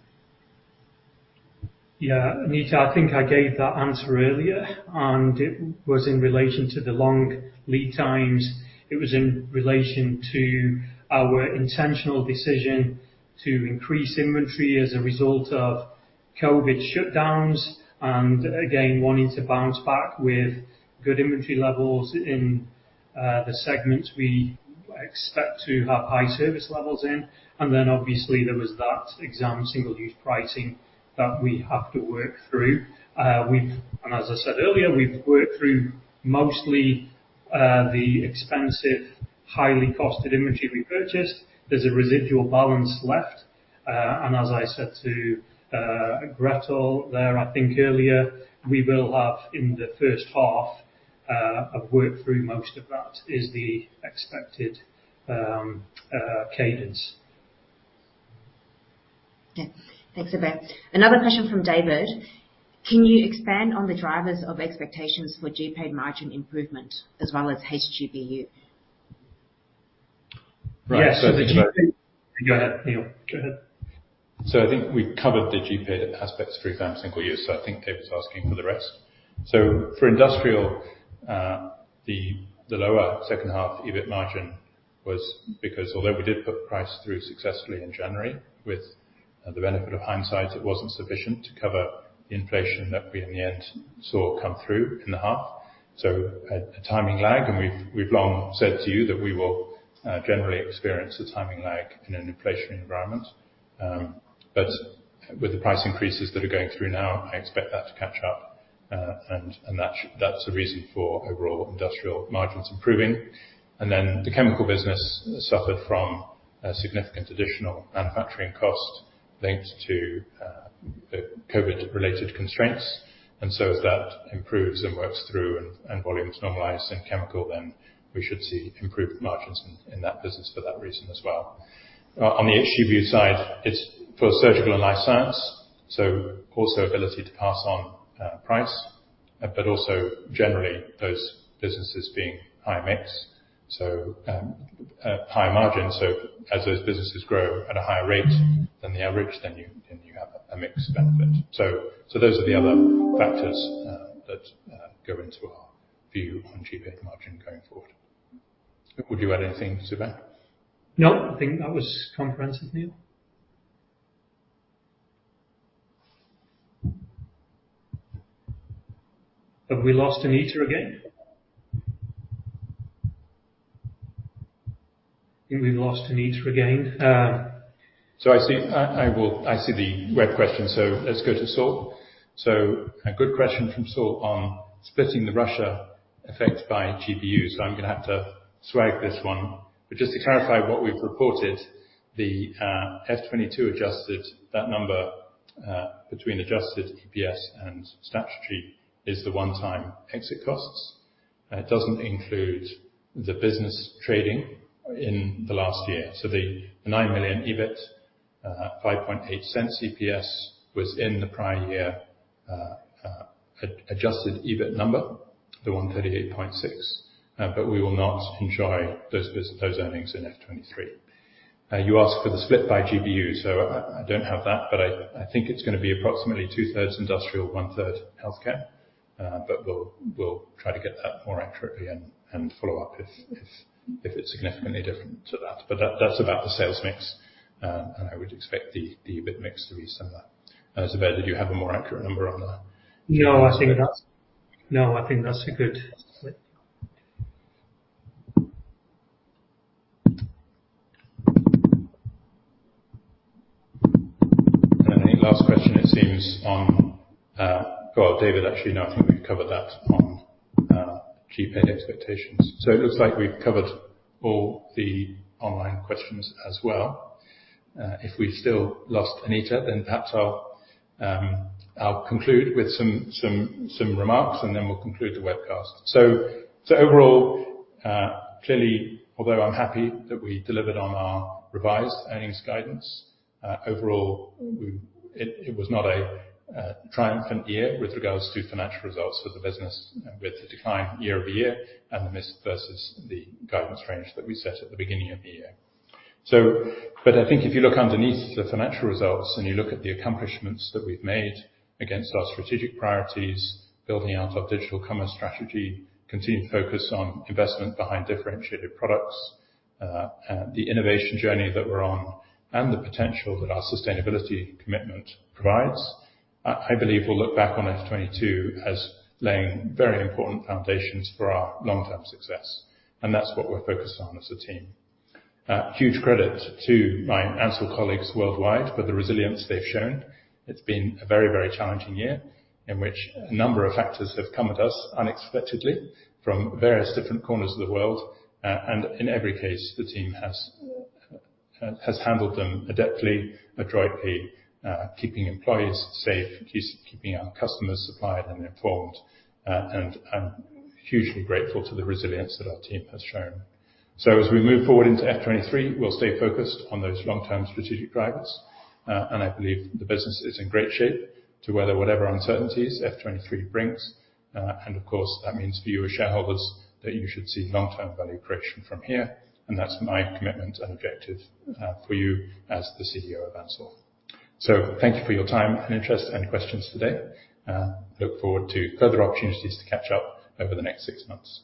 S3: Yeah. Anita, I think I gave that answer earlier, and it was in relation to the long lead times. It was in relation to our intentional decision to increase inventory as a result of COVID shutdowns and again, wanting to bounce back with good inventory levels in the segments we expect to have high service levels in. Then obviously there was that Exam Single Use pricing that we have to work through. As I said earlier, we've worked through mostly the expensive, highly costed inventory we purchased. There's a residual balance left. As I said to Gretel there, I think earlier, we will have in the first half I've worked through most of that is the expected cadence.
S1: Yeah. Thanks, Zubair. Another question from David. Can you expand on the drivers of expectations for GPADE margin improvement as well as HGBU?
S2: Right.
S3: Go ahead, Neil. Go ahead.
S2: I think we've covered the GPADE aspects through Exam Single Use, so I think David's asking for the rest. For industrial, the lower second half EBIT margin was because although we did put the price through successfully in January with the benefit of hindsight, it wasn't sufficient to cover the inflation that we in the end saw come through in the half. A timing lag, and we've long said to you that we will generally experience a timing lag in an inflation environment. With the price increases that are going through now, I expect that to catch up. That should. That's a reason for overall industrial margins improving. Then the chemical business suffered from a significant additional manufacturing cost linked to COVID-related constraints. As that improves and works through and volumes normalize in chemical, then we should see improved margins in that business for that reason as well. On the HGBU side, it's for surgical and life science, so also ability to pass on price, but also generally those businesses being high mix. Higher margin. As those businesses grow at a higher rate than the average, then you have a mixed benefit. Those are the other factors that go into our view on GPADE margin going forward. Would you add anything, Zubair?
S3: No, I think that was comprehensive, Neil. Have we lost Anita again? I think we've lost Anita again.
S2: I see the web question. Let's go to Saul. A good question from Saul on splitting the Russia effect by GBU. I'm gonna have to swag this one. Just to clarify what we've reported, the FY 2022 adjusted that number between adjusted EPS and statutory is the one-time exit costs. It doesn't include the business trading in the last year. The 9 million EBIT, 0.58 EPS was in the prior year adjusted EBIT number, the 138.6 million. We will not enjoy those earnings in FY 2023. You asked for the split by GBU. I don't have that, but I think it's gonna be approximately 2/3 industrial, 1/3 healthcare. We'll try to get that more accurately and follow up if it's significantly different to that. That's about the sales mix. I would expect the EBIT mix to be similar. Zubair, did you have a more accurate number on that?
S3: No, I think that's a good split.
S2: I think last question, it seems, on. Well, David, actually, no, I think we've covered that on GPADE expectations. It looks like we've covered all the online questions as well. If we've still lost Anita, then perhaps I'll conclude with some remarks, and then we'll conclude the webcast. Overall, clearly, although I'm happy that we delivered on our revised earnings guidance, overall it was not a triumphant year with regards to financial results for the business with the decline year-over-year and the miss versus the guidance range that we set at the beginning of the year. I think if you look underneath the financial results and you look at the accomplishments that we've made against our strategic priorities, building out our digital commerce strategy, continued focus on investment behind differentiated products, the innovation journey that we're on, and the potential that our sustainability commitment provides, I believe we'll look back on FY 2022 as laying very important foundations for our long-term success. That's what we're focused on as a team. A huge credit to my Ansell colleagues worldwide for the resilience they've shown. It's been a very, very challenging year in which a number of factors have come at us unexpectedly from various different corners of the world. In every case, the team has handled them adeptly, adroitly, keeping employees safe, keeping our customers supplied and informed. I'm hugely grateful to the resilience that our team has shown. As we move forward into F-23, we'll stay focused on those long-term strategic drivers. I believe the business is in great shape to weather whatever uncertainties F-23 brings. Of course, that means for you as shareholders that you should see long-term value creation from here, and that's my commitment and objective for you as the CEO of Ansell. Thank you for your time and interest and questions today. Look forward to further opportunities to catch up over the next six months.